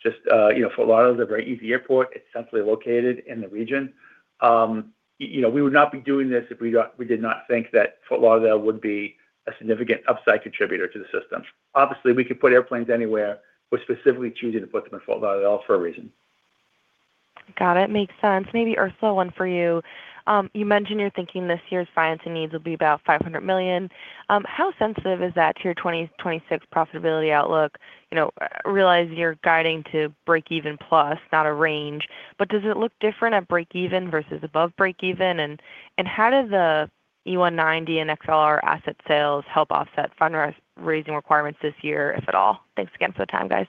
just, you know, Fort Lauderdale is a very easy airport. It's centrally located in the region. You know, we would not be doing this if we did not think that Fort Lauderdale would be a significant upside contributor to the system. Obviously, we could put airplanes anywhere. We're specifically choosing to put them in Fort Lauderdale for a reason. Got it. Makes sense. Maybe, Ursula, one for you. You mentioned you're thinking this year's financing needs will be about $500 million. How sensitive is that to your 2026 profitability outlook? You know, realizing you're guiding to break even plus, not a range. But does it look different at break even versus above break even? And how does the E190 and XLR asset sales help offset fundraising requirements this year, if at all? Thanks again for the time, guys.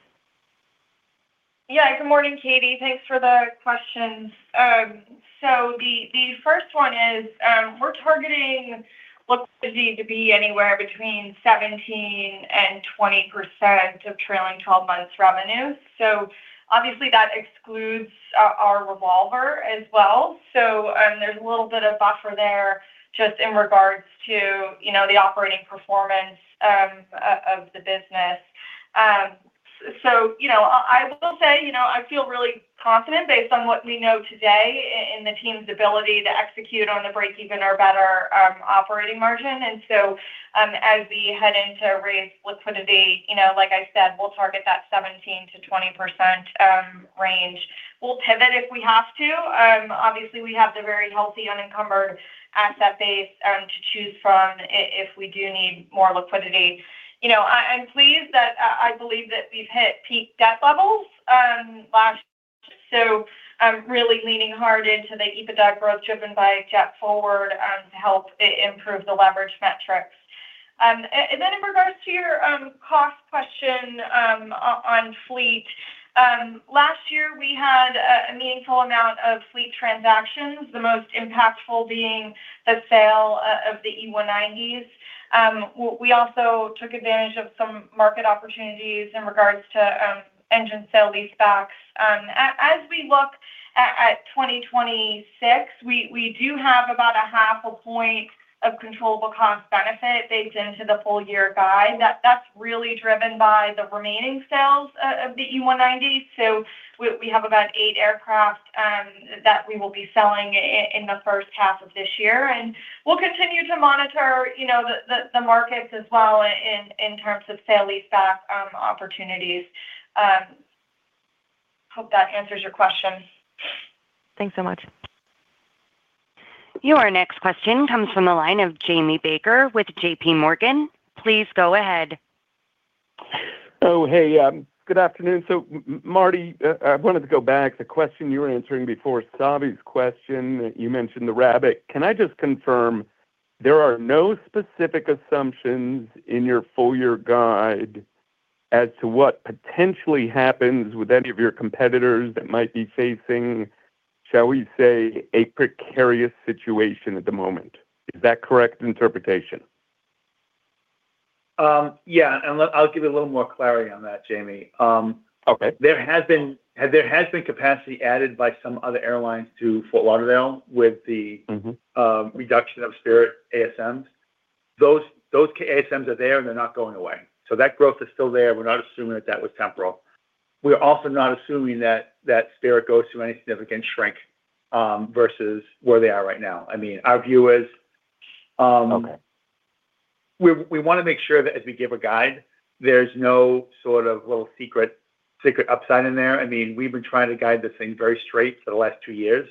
Yeah. Good morning, Katie. Thanks for the questions. So the first one is, we're targeting liquidity to be anywhere between 17% and 20% of trailing twelve months revenue. So obviously, that excludes our revolver as well. So, there's a little bit of buffer there just in regards to, you know, the operating performance of the business. So, you know, I will say, you know, I feel really confident based on what we know today in the team's ability to execute on the break even or better operating margin. And so, as we head into raise liquidity, you know, like I said, we'll target that 17%-20% range. We'll pivot if we have to. Obviously, we have the very healthy unencumbered asset base to choose from if we do need more liquidity. You know, I'm pleased that I believe that we've hit peak debt levels last. So I'm really leaning hard into the EBITDA growth, driven by JetForward, to help improve the leverage metrics. And then in regards to your cost question, on fleet, last year we had a meaningful amount of fleet transactions, the most impactful being the sale of the E190s. We also took advantage of some market opportunities in regards to engine sale leasebacks. As we look at 2026, we do have about 0.5 point of controllable cost benefit baked into the full year guide, that's really driven by the remaining sales of the E190. So we have about eight aircraft that we will be selling in the first half of this year, and we'll continue to monitor, you know, the markets as well in terms of sale-leaseback opportunities. Hope that answers your question. Thanks so much. Your next question comes from the line of Jamie Baker with JPMorgan Chase & Co.. Please go ahead. Oh, hey, good afternoon. So, Marty, I wanted to go back to the question you were answering before Savi's question. You mentioned the rabbit. Can I just confirm there are no specific assumptions in your full year guide as to what potentially happens with any of your competitors that might be facing, shall we say, a precarious situation at the moment? Is that correct interpretation? Yeah, I'll give you a little more clarity on that, Jamie. Okay. There has been capacity added by some other airlines to Fort Lauderdale with the- Mm-hmm... reduction of Spirit ASMs. Those, those CASMs are there, and they're not going away. So that growth is still there. We're not assuming that that was temporal. We're also not assuming that, that Spirit goes through any significant shrink, versus where they are right now. I mean, our view is, Okay... We wanna make sure that as we give a guide, there's no sort of little secret upside in there. I mean, we've been trying to guide this thing very straight for the last two years,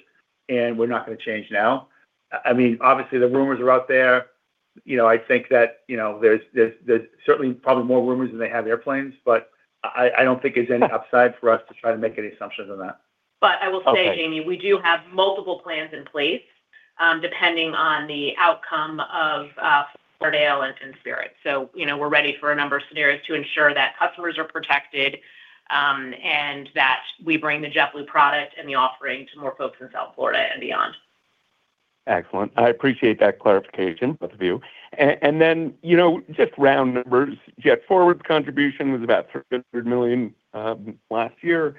and we're not gonna change now. I mean, obviously, the rumors are out there. You know, I think that, you know, there's certainly probably more rumors than they have airplanes, but I don't think there's any upside for us to try to make any assumptions on that. But I will say, Jamie- Okay... we do have multiple plans in place, depending on the outcome of Lauderdale and Spirit. So, you know, we're ready for a number of scenarios to ensure that customers are protected, and that we bring the JetBlue product and the offering to more folks in South Florida and beyond. Excellent. I appreciate that clarification, both of you. And then, you know, just round numbers, JetForward's contribution was about $300 million last year.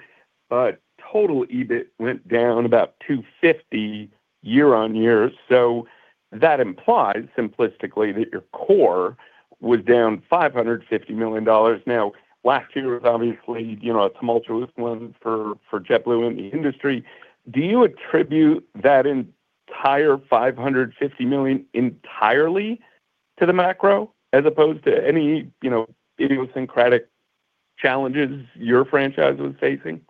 But total EBIT went down about $250 million year-on-year. So that implies simplistically that your core was down $550 million. Now, last year was obviously, you know, a tumultuous one for JetBlue in the industry. Do you attribute that entire $550 million entirely to the macro as opposed to any, you know, idiosyncratic challenges your franchise was facing?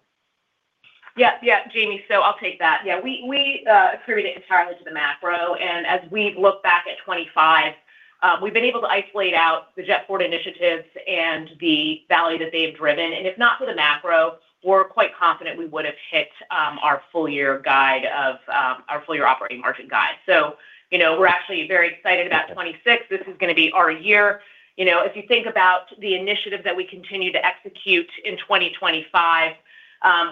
Yeah, yeah, Jamie, so I'll take that. Yeah, we, we attribute it entirely to the macro. And as we've looked back at 2025, we've been able to isolate out the JetForward initiatives and the value that they've driven, and if not for the macro, we're quite confident we would have hit our full year guide of our full year operating margin guide. So, you know, we're actually very excited about 2026. This is gonna be our year. You know, if you think about the initiatives that we continue to execute in 2025,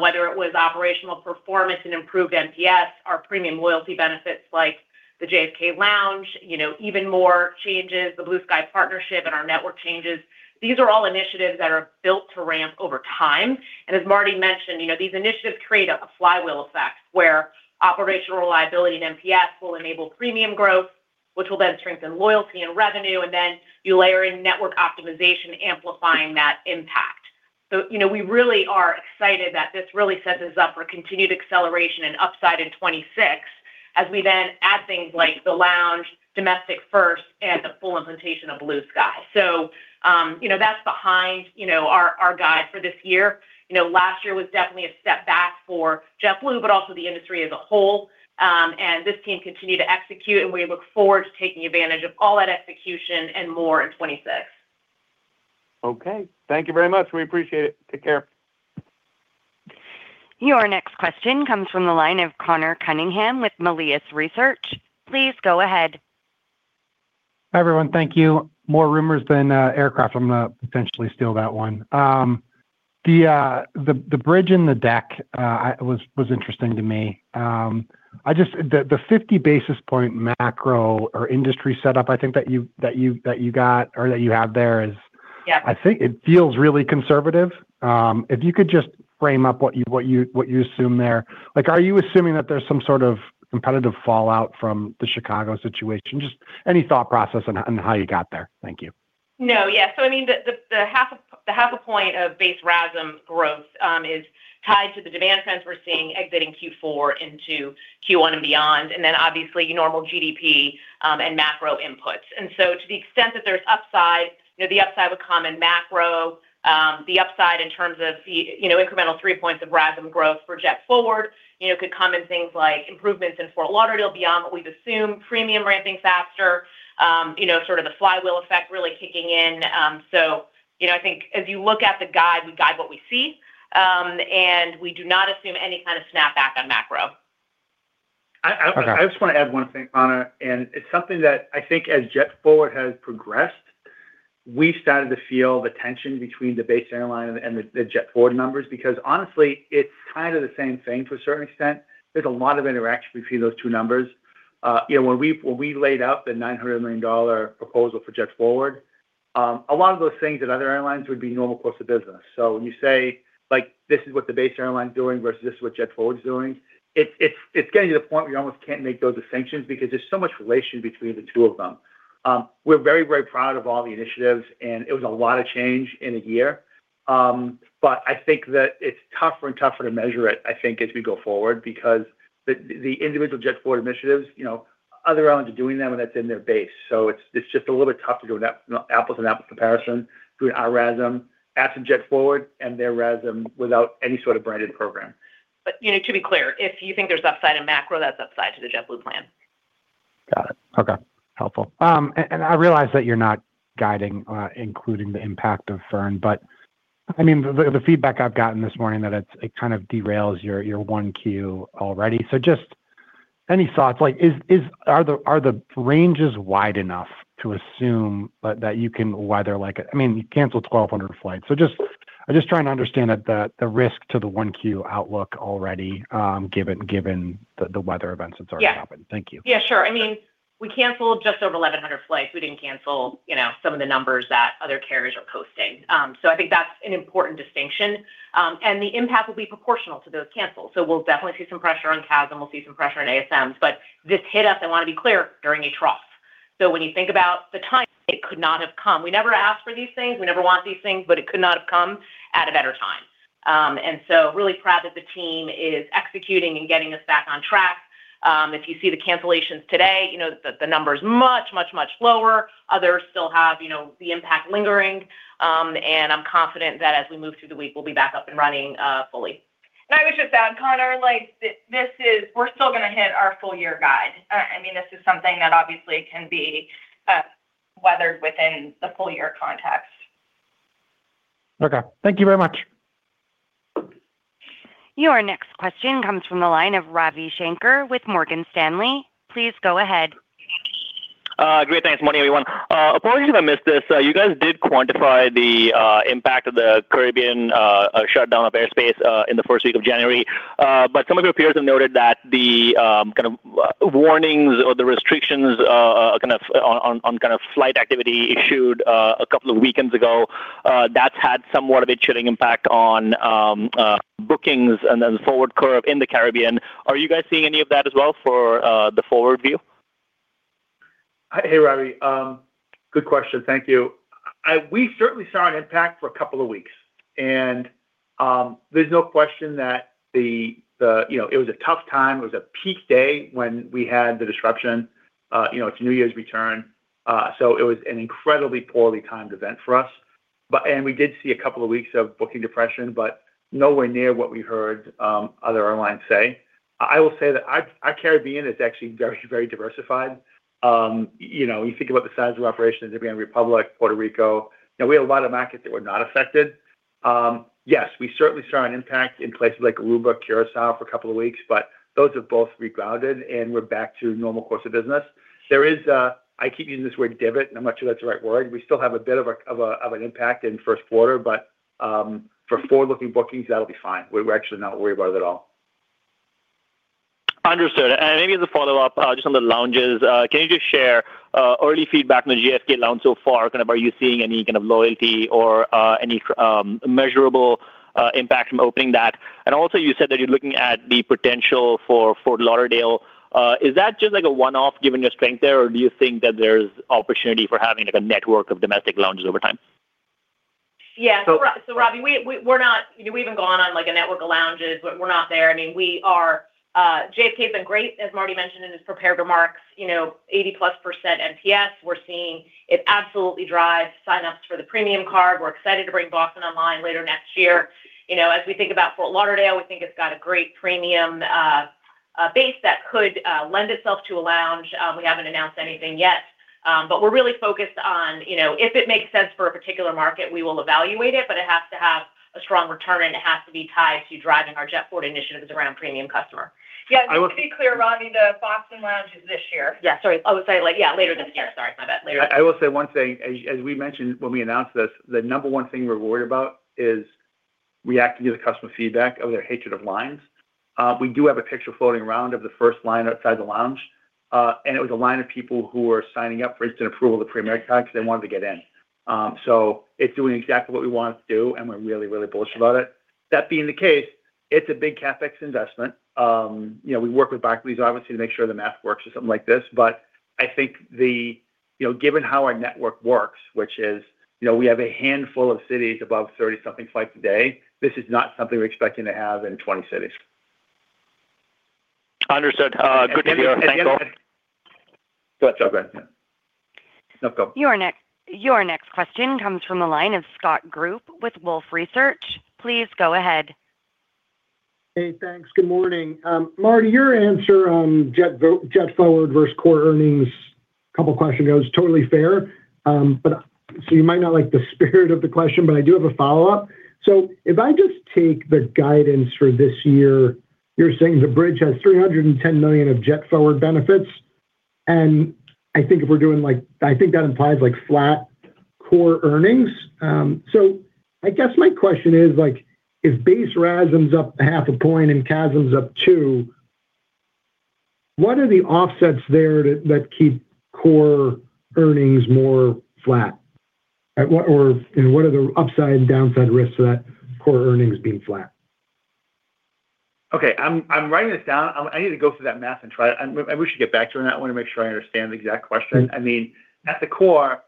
whether it was operational performance and improved NPS, our premium loyalty benefits like the JFK Lounge, you know, EvenMore changes, the Blue Sky Partnership and our network changes, these are all initiatives that are built to ramp over time. As Marty mentioned, you know, these initiatives create a flywheel effect, where operational reliability and NPS will enable premium growth, which will then strengthen loyalty and revenue, and then you layer in network optimization, amplifying that impact. So, you know, we really are excited that this really sets us up for continued acceleration and upside in 2026 as we then add things like the lounge, domestic first, and the full implementation of Blue Sky. So, you know, that's behind, you know, our, our guide for this year. You know, last year was definitely a step back for JetBlue, but also the industry as a whole. And this team continued to execute, and we look forward to taking advantage of all that execution and more in 2026. Okay. Thank you very much. We appreciate it. Take care. Your next question comes from the line of Conor Cunningham with Melius Research. Please go ahead. Hi, everyone. Thank you. More rumors than aircraft. I'm gonna potentially steal that one. The bridge in the deck was interesting to me. The 50 basis point macro or industry setup, I think that you got or that you have there is- Yeah. I think it feels really conservative. If you could just frame up what you assume there. Like, are you assuming that there's some sort of competitive fallout from the Chicago situation? Just any thought process on how you got there. Thank you. No. Yeah. So I mean, the 0.5 point of base RASM growth is tied to the demand trends we're seeing exiting Q4 into Q1 and beyond, and then obviously normal GDP and macro inputs. So to the extent that there's upside, you know, the upside would come in macro, the upside in terms of the, you know, incremental 3 points of RASM growth for JetForward, you know, could come in things like improvements in Fort Lauderdale beyond what we've assumed, premium ramping faster, you know, sort of the flywheel effect really kicking in. So, you know, I think as you look at the guide, we guide what we see, and we do not assume any kind of snapback on macro. I, I- Okay. I just want to add one thing, Conor, and it's something that I think as JetForward has progressed, we started to feel the tension between the base airline and the JetForward numbers, because honestly, it's kind of the same thing to a certain extent. There's a lot of interaction between those two numbers. You know, when we laid out the $900 million proposal for JetForward, a lot of those things at other airlines would be normal course of business. So when you say, like, this is what the base airline is doing versus this is what JetForward is doing, it's getting to the point where you almost can't make those distinctions because there's so much relation between the two of them. We're very, very proud of all the initiatives, and it was a lot of change in a year. But I think that it's tougher and tougher to measure it, I think, as we go forward, because the individual JetForward initiatives, you know, other airlines are doing them, and that's in their base. So it's just a little bit tough to do an apples to apples comparison between our RASM, add some JetForward, and their RASM without any sort of branded program. But, you know, to be clear, if you think there's upside in macro, that's upside to the JetBlue plan. Got it. Okay. Helpful. And I realize that you're not guiding, including the impact of Fern, but I mean, the feedback I've gotten this morning that it's kind of derails your 1Q already. So just any thoughts? Like, are the ranges wide enough to assume that you can weather like a—I mean, you canceled 1,200 flights—so I'm just trying to understand the risk to the 1Q outlook already, given the weather events that's already happened. Yeah. Thank you. Yeah, sure. I mean, we canceled just over 1,100 flights. We didn't cancel, you know, some of the numbers that other carriers are posting. So I think that's an important distinction. And the impact will be proportional to those cancels. So we'll definitely see some pressure on CASM, and we'll see some pressure on ASMs. But this hit us, I want to be clear, during a trough. So when you think about the timing, it could not have come. We never ask for these things. We never want these things, but it could not have come at a better time. And so really proud that the team is executing and getting us back on track. If you see the cancellations today, you know, the number is much, much, much lower. Others still have, you know, the impact lingering, and I'm confident that as we move through the week, we'll be back up and running fully. And I would just add, Conor, like, this is. We're still gonna hit our full year guide. I mean, this is something that obviously can be weathered within the full year context. Okay. Thank you very much. Your next question comes from the line of Ravi Shanker with Morgan Stanley. Please go ahead. Great, thanks. Morning, everyone. Apologies if I missed this. You guys did quantify the impact of the Caribbean shutdown of airspace in the first week of January. But some of your peers have noted that the kind of warnings or the restrictions on kind of flight activity issued a couple of weekends ago. That's had somewhat of a chilling impact on bookings and then the forward curve in the Caribbean. Are you guys seeing any of that as well for the forward view? Hey, Ravi, good question. Thank you. We certainly saw an impact for a couple of weeks, and there's no question that the you know, it was a tough time. It was a peak day when we had the disruption. You know, it's New Year's return, so it was an incredibly poorly timed event for us. But, and we did see a couple of weeks of booking depression, but nowhere near what we heard other airlines say. I will say that our Caribbean is actually very, very diversified. You know, you think about the size of operations, Dominican Republic, Puerto Rico, and we had a lot of markets that were not affected. Yes, we certainly saw an impact in places like Aruba, Curaçao for a couple of weeks, but those have both regrounded, and we're back to normal course of business. There is a... I keep using this word, divot, and I'm not sure that's the right word. We still have a bit of an impact in first quarter, but, for forward-looking bookings, that'll be fine. We're actually not worried about it at all. Understood. Maybe as a follow-up, just on the lounges, can you just share early feedback on the JFK lounge so far? Kind of, are you seeing any kind of loyalty or any measurable impact from opening that? Also, you said that you're looking at the potential for Fort Lauderdale. Is that just like a one-off, given your strength there, or do you think that there's opportunity for having, like, a network of domestic lounges over time? Yeah. So- So, Ravi, we haven't gone on, like, a network of lounges. We're not there. I mean, we are, JFK has been great, as Marty mentioned, in his prepared remarks, you know, 80%+ NPS. We're seeing it absolutely drive sign-ups for the premium card. We're excited to bring Boston online later next year. You know, as we think about Fort Lauderdale, we think it's got a great premium base that could lend itself to a lounge. We haven't announced anything yet, but we're really focused on, you know, if it makes sense for a particular market, we will evaluate it, but it has to have a strong return, and it has to be tied to driving our JetPort initiatives around premium customer. I will- Yeah, just to be clear, Ravi, the Boston Lounge is this year. Yeah, sorry. I would say, like, yeah, later this year. Sorry about that, later. I will say one thing, as we mentioned when we announced this, the number one thing we're worried about is reacting to the customer feedback of their hatred of lines. We do have a picture floating around of the first line outside the lounge, and it was a line of people who were signing up for instant approval of the Premier card because they wanted to get in. So it's doing exactly what we want it to do, and we're really, really bullish about it. That being the case, it's a big CapEx investment. You know, we work with Barclays, obviously, to make sure the math works or something like this. But I think, you know, given how our network works, which is, you know, we have a handful of cities above 30-something flights a day, this is not something we're expecting to have in 20 cities. Understood. Good to hear. Thank you. Go ahead. Yeah. No, go. Your next question comes from the line of Scott Group with Wolfe Research. Please go ahead. Hey, thanks. Good morning. Marty, your answer on JetForward versus core earnings, couple questions ago, is totally fair. But so you might not like the spirit of the question, but I do have a follow-up. So if I just take the guidance for this year, you're saying the bridge has $310 million of JetForward benefits, and I think if we're doing like I think that implies like flat core earnings. So I guess my question is like, if base RASM's up half a point and CASM's up 2, what are the offsets there that, that keep core earnings more flat? Or, and what are the upside and downside risks to that core earnings being flat? Okay, I'm writing this down. I need to go through that math and try it, and we should get back to you on that. I want to make sure I understand the exact question. Mm-hmm. I mean, at the core,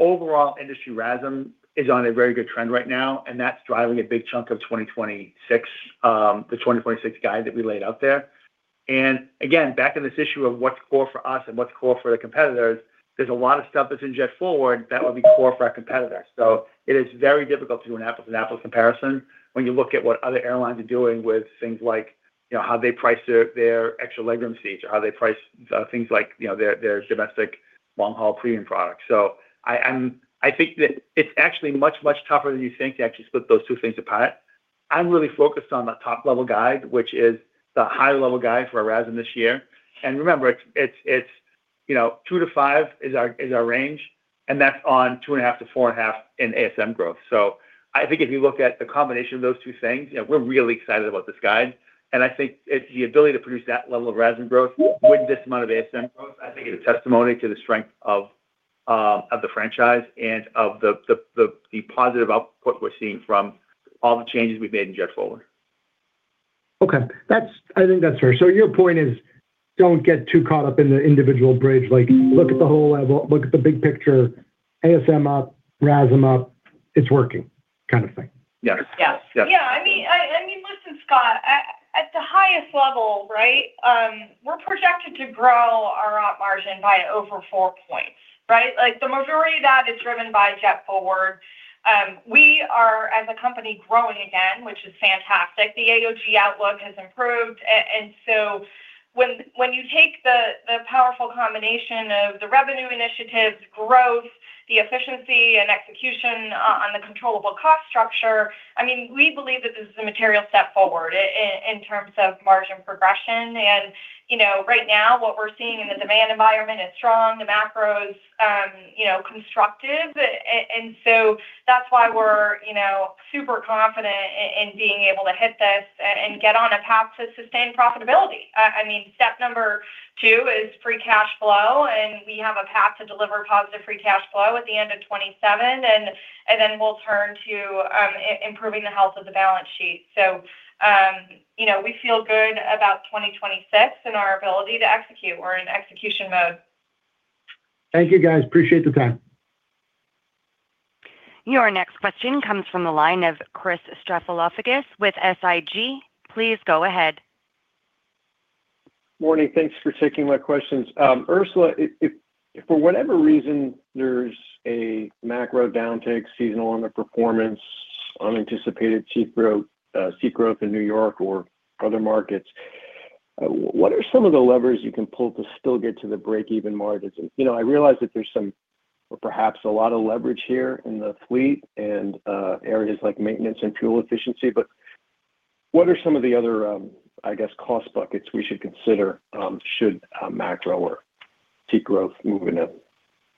overall industry RASM is on a very good trend right now, and that's driving a big chunk of 2026, the 2026 guide that we laid out there. And again, back in this issue of what's core for us and what's core for the competitors, there's a lot of stuff that's in JetForward that would be core for our competitors. So it is very difficult to do an apples and apples comparison when you look at what other airlines are doing with things like, you know, how they price their, their extra legroom seats, or how they price things like, you know, their, their domestic long-haul premium products. So I think that it's actually much, much tougher than you think to actually split those two things apart. I'm really focused on the top-level guide, which is the high-level guide for our RASM this year. And remember, it's you know, 2-5 is our range, and that's on 2.5-4.5 in ASM growth. So I think if you look at the combination of those two things, you know, we're really excited about this guide, and I think it's the ability to produce that level of RASM growth with this amount of ASM growth. I think it's a testimony to the strength of the franchise and of the positive output we're seeing from all the changes we've made in JetForward. Okay. That's. I think that's fair. So your point is, don't get too caught up in the individual bridge, like, look at the whole level, look at the big picture, ASM up, RASM up, it's working, kind of thing? Yes. Yes. Yes. Yeah, I mean, listen, Scott, at the highest level, right, we're projected to grow our op margin by over 4 points, right? Like, the majority of that is driven by JetForward. We are, as a company, growing again, which is fantastic. The AOG outlook has improved, and so when you take the powerful combination of the revenue initiatives, growth, the efficiency and execution on the controllable cost structure, I mean, we believe that this is a material step forward in terms of margin progression. And, you know, right now, what we're seeing in the demand environment is strong, the macro is, you know, constructive. And so that's why we're, you know, super confident in being able to hit this and get on a path to sustain profitability. I mean, step number... Two is free cash flow, and we have a path to deliver positive free cash flow at the end of 2027, and then we'll turn to improving the health of the balance sheet. So, you know, we feel good about 2026 and our ability to execute. We're in execution mode. Thank you, guys. Appreciate the time. Your next question comes from the line of Chris Stathoulopoulos with SIG. Please go ahead. Morning. Thanks for taking my questions. Ursula, if for whatever reason there's a macro downtick, seasonal underperformance, unanticipated cheap growth, seat growth in New York or other markets, what are some of the levers you can pull to still get to the break-even margins? You know, I realize that there's some, or perhaps a lot of leverage here in the fleet and areas like maintenance and fuel efficiency, but what are some of the other, I guess, cost buckets we should consider, should macro or seat growth move in an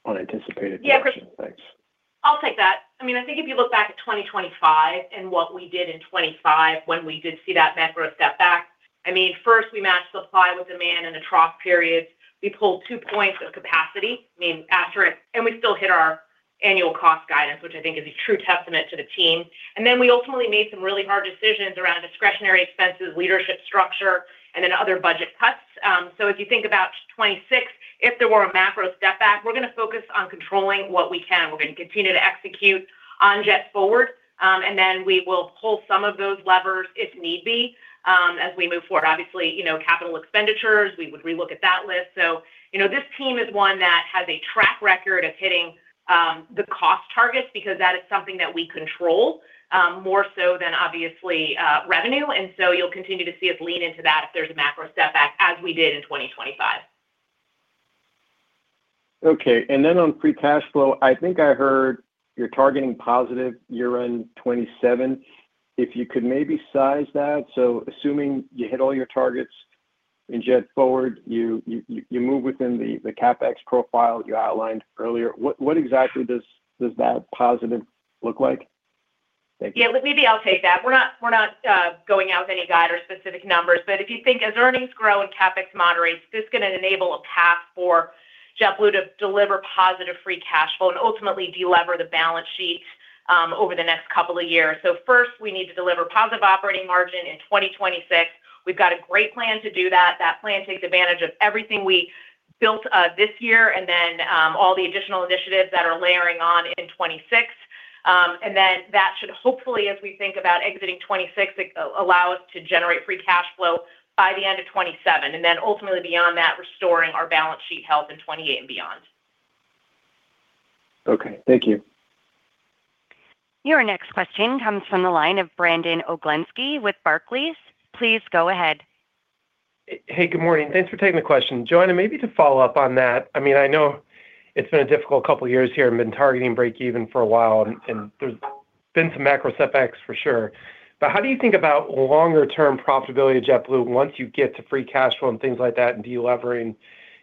unanticipated direction? Yeah, Chris. Thanks. I'll take that. I mean, I think if you look back at 2025 and what we did in 2025 when we did see that macro step back, I mean, first we matched supply with demand in the trough periods. We pulled two points of capacity, I mean, after it, and we still hit our annual cost guidance, which I think is a true testament to the team. And then we ultimately made some really hard decisions around discretionary expenses, leadership structure, and then other budget cuts. So if you think about 2026, if there were a macro step back, we're gonna focus on controlling what we can. We're gonna continue to execute on JetForward, and then we will pull some of those levers if need be, as we move forward. Obviously, you know, capital expenditures, we would re-look at that list. So, you know, this team is one that has a track record of hitting the cost targets because that is something that we control more so than obviously revenue. And so you'll continue to see us lean into that if there's a macro step back, as we did in 2025. Okay. Then on free cash flow, I think I heard you're targeting positive year-end 2027. If you could maybe size that, so assuming you hit all your targets in JetForward, you move within the CapEx profile you outlined earlier, what exactly does that positive look like? Thank you. Yeah, maybe I'll take that. We're not, we're not going out with any guide or specific numbers, but if you think as earnings grow and CapEx moderates, this is gonna enable a path for JetBlue to deliver positive free cash flow and ultimately de-lever the balance sheet over the next couple of years. So first, we need to deliver positive operating margin in 2026. We've got a great plan to do that. That plan takes advantage of everything we built this year, and then all the additional initiatives that are layering on in 2026. And then that should hopefully, as we think about exiting 2026, allow us to generate free cash flow by the end of 2027, and then ultimately beyond that, restoring our balance sheet health in 2028 and beyond. Okay. Thank you. Your next question comes from the line of Brandon Oglenski with Barclays. Please go ahead. Hey, good morning. Thanks for taking the question. Joanna, maybe to follow up on that, I mean, I know it's been a difficult couple of years here and been targeting break even for a while, and there's been some macro setbacks for sure. But how do you think about longer term profitability of JetBlue once you get to free cash flow and things like that and de-levering?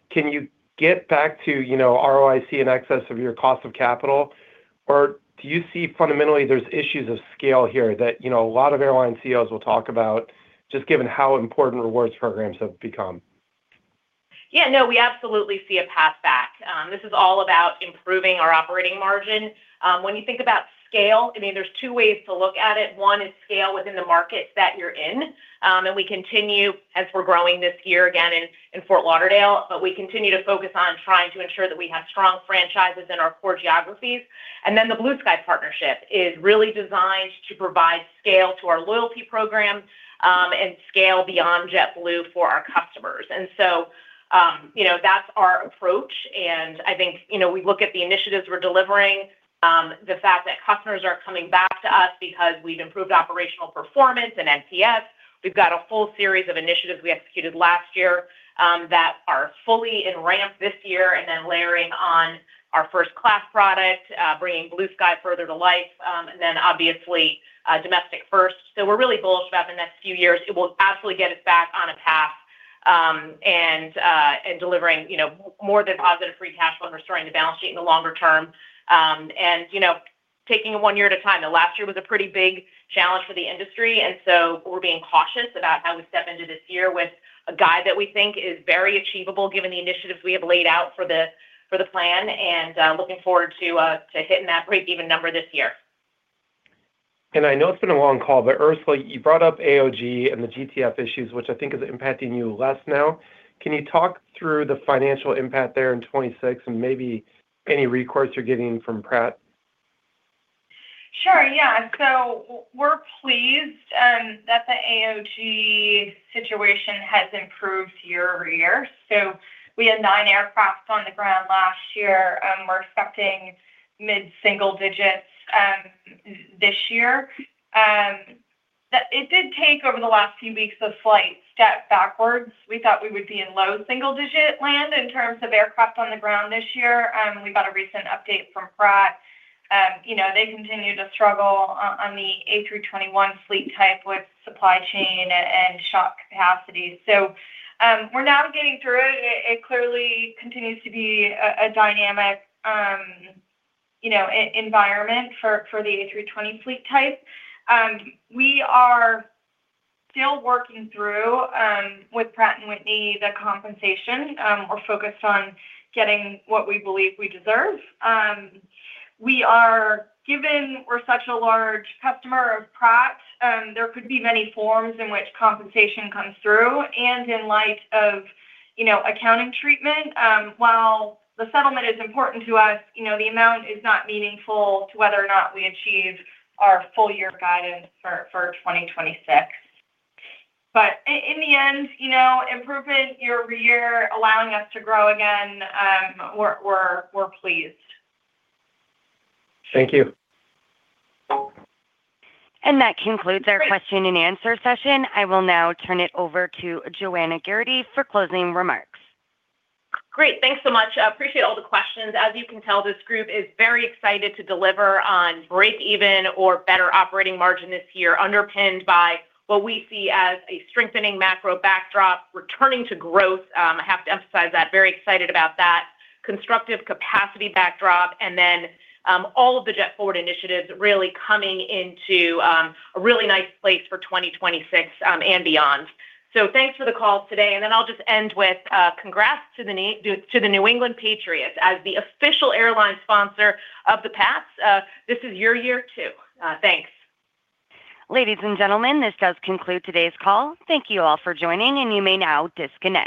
Can you get back to, you know, ROIC in excess of your cost of capital? Or do you see fundamentally there's issues of scale here that, you know, a lot of airline CEOs will talk about, just given how important rewards programs have become? Yeah, no, we absolutely see a path back. This is all about improving our operating margin. When you think about scale, I mean, there's two ways to look at it. One is scale within the markets that you're in. And we continue, as we're growing this year, again in Fort Lauderdale, but we continue to focus on trying to ensure that we have strong franchises in our core geographies. And then the Blue Sky partnership is really designed to provide scale to our loyalty program, and scale beyond JetBlue for our customers. And so, you know, that's our approach, and I think, you know, we look at the initiatives we're delivering, the fact that customers are coming back to us because we've improved operational performance and NPS. We've got a full series of initiatives we executed last year, that are fully in ramp this year, and then layering on our first-class product, bringing Blue Sky further to life, and then obviously, domestic first. So we're really bullish about the next few years. It will absolutely get us back on a path, and delivering, you know, more than positive free cash flow and restoring the balance sheet in the longer term. And, you know, taking it one year at a time. The last year was a pretty big challenge for the industry, and so we're being cautious about how we step into this year with a guide that we think is very achievable given the initiatives we have laid out for the plan, and looking forward to to hitting that break-even number this year. I know it's been a long call, but Ursula, you brought up AOG and the GTF issues, which I think is impacting you less now. Can you talk through the financial impact there in 2026 and maybe any recourse you're getting from Pratt? Sure. Yeah. We're pleased that the AOG situation has improved year-over-year. We had nine aircraft on the ground last year. We're expecting mid-single digits this year. That it did take over the last few weeks a slight step backwards. We thought we would be in low single digit land in terms of aircraft on the ground this year. We got a recent update from Pratt. You know, they continue to struggle on the A321 fleet type with supply chain and shop capacities. So, we're navigating through it. It clearly continues to be a dynamic, you know, environment for the A320 fleet type. We are still working through with Pratt & Whitney the compensation. We're focused on getting what we believe we deserve. We are, given we're such a large customer of Pratt, there could be many forms in which compensation comes through, and in light of, you know, accounting treatment, while the settlement is important to us, you know, the amount is not meaningful to whether or not we achieve our full year guidance for 2026. But in the end, you know, improvement year over year, allowing us to grow again, we're pleased. Thank you. That concludes our question and answer session. I will now turn it over to Joanna Geraghty for closing remarks. Great. Thanks so much. I appreciate all the questions. As you can tell, this group is very excited to deliver on break even or better operating margin this year, underpinned by what we see as a strengthening macro backdrop, returning to growth. I have to emphasize that, very excited about that. Constructive capacity backdrop, and then, all of the JetForward initiatives really coming into, a really nice place for 2026, and beyond. So thanks for the call today, and then I'll just end with, congrats to the New England Patriots. As the official airline sponsor of the Pats, this is your year, too. Thanks. Ladies and gentlemen, this does conclude today's call. Thank you all for joining, and you may now disconnect.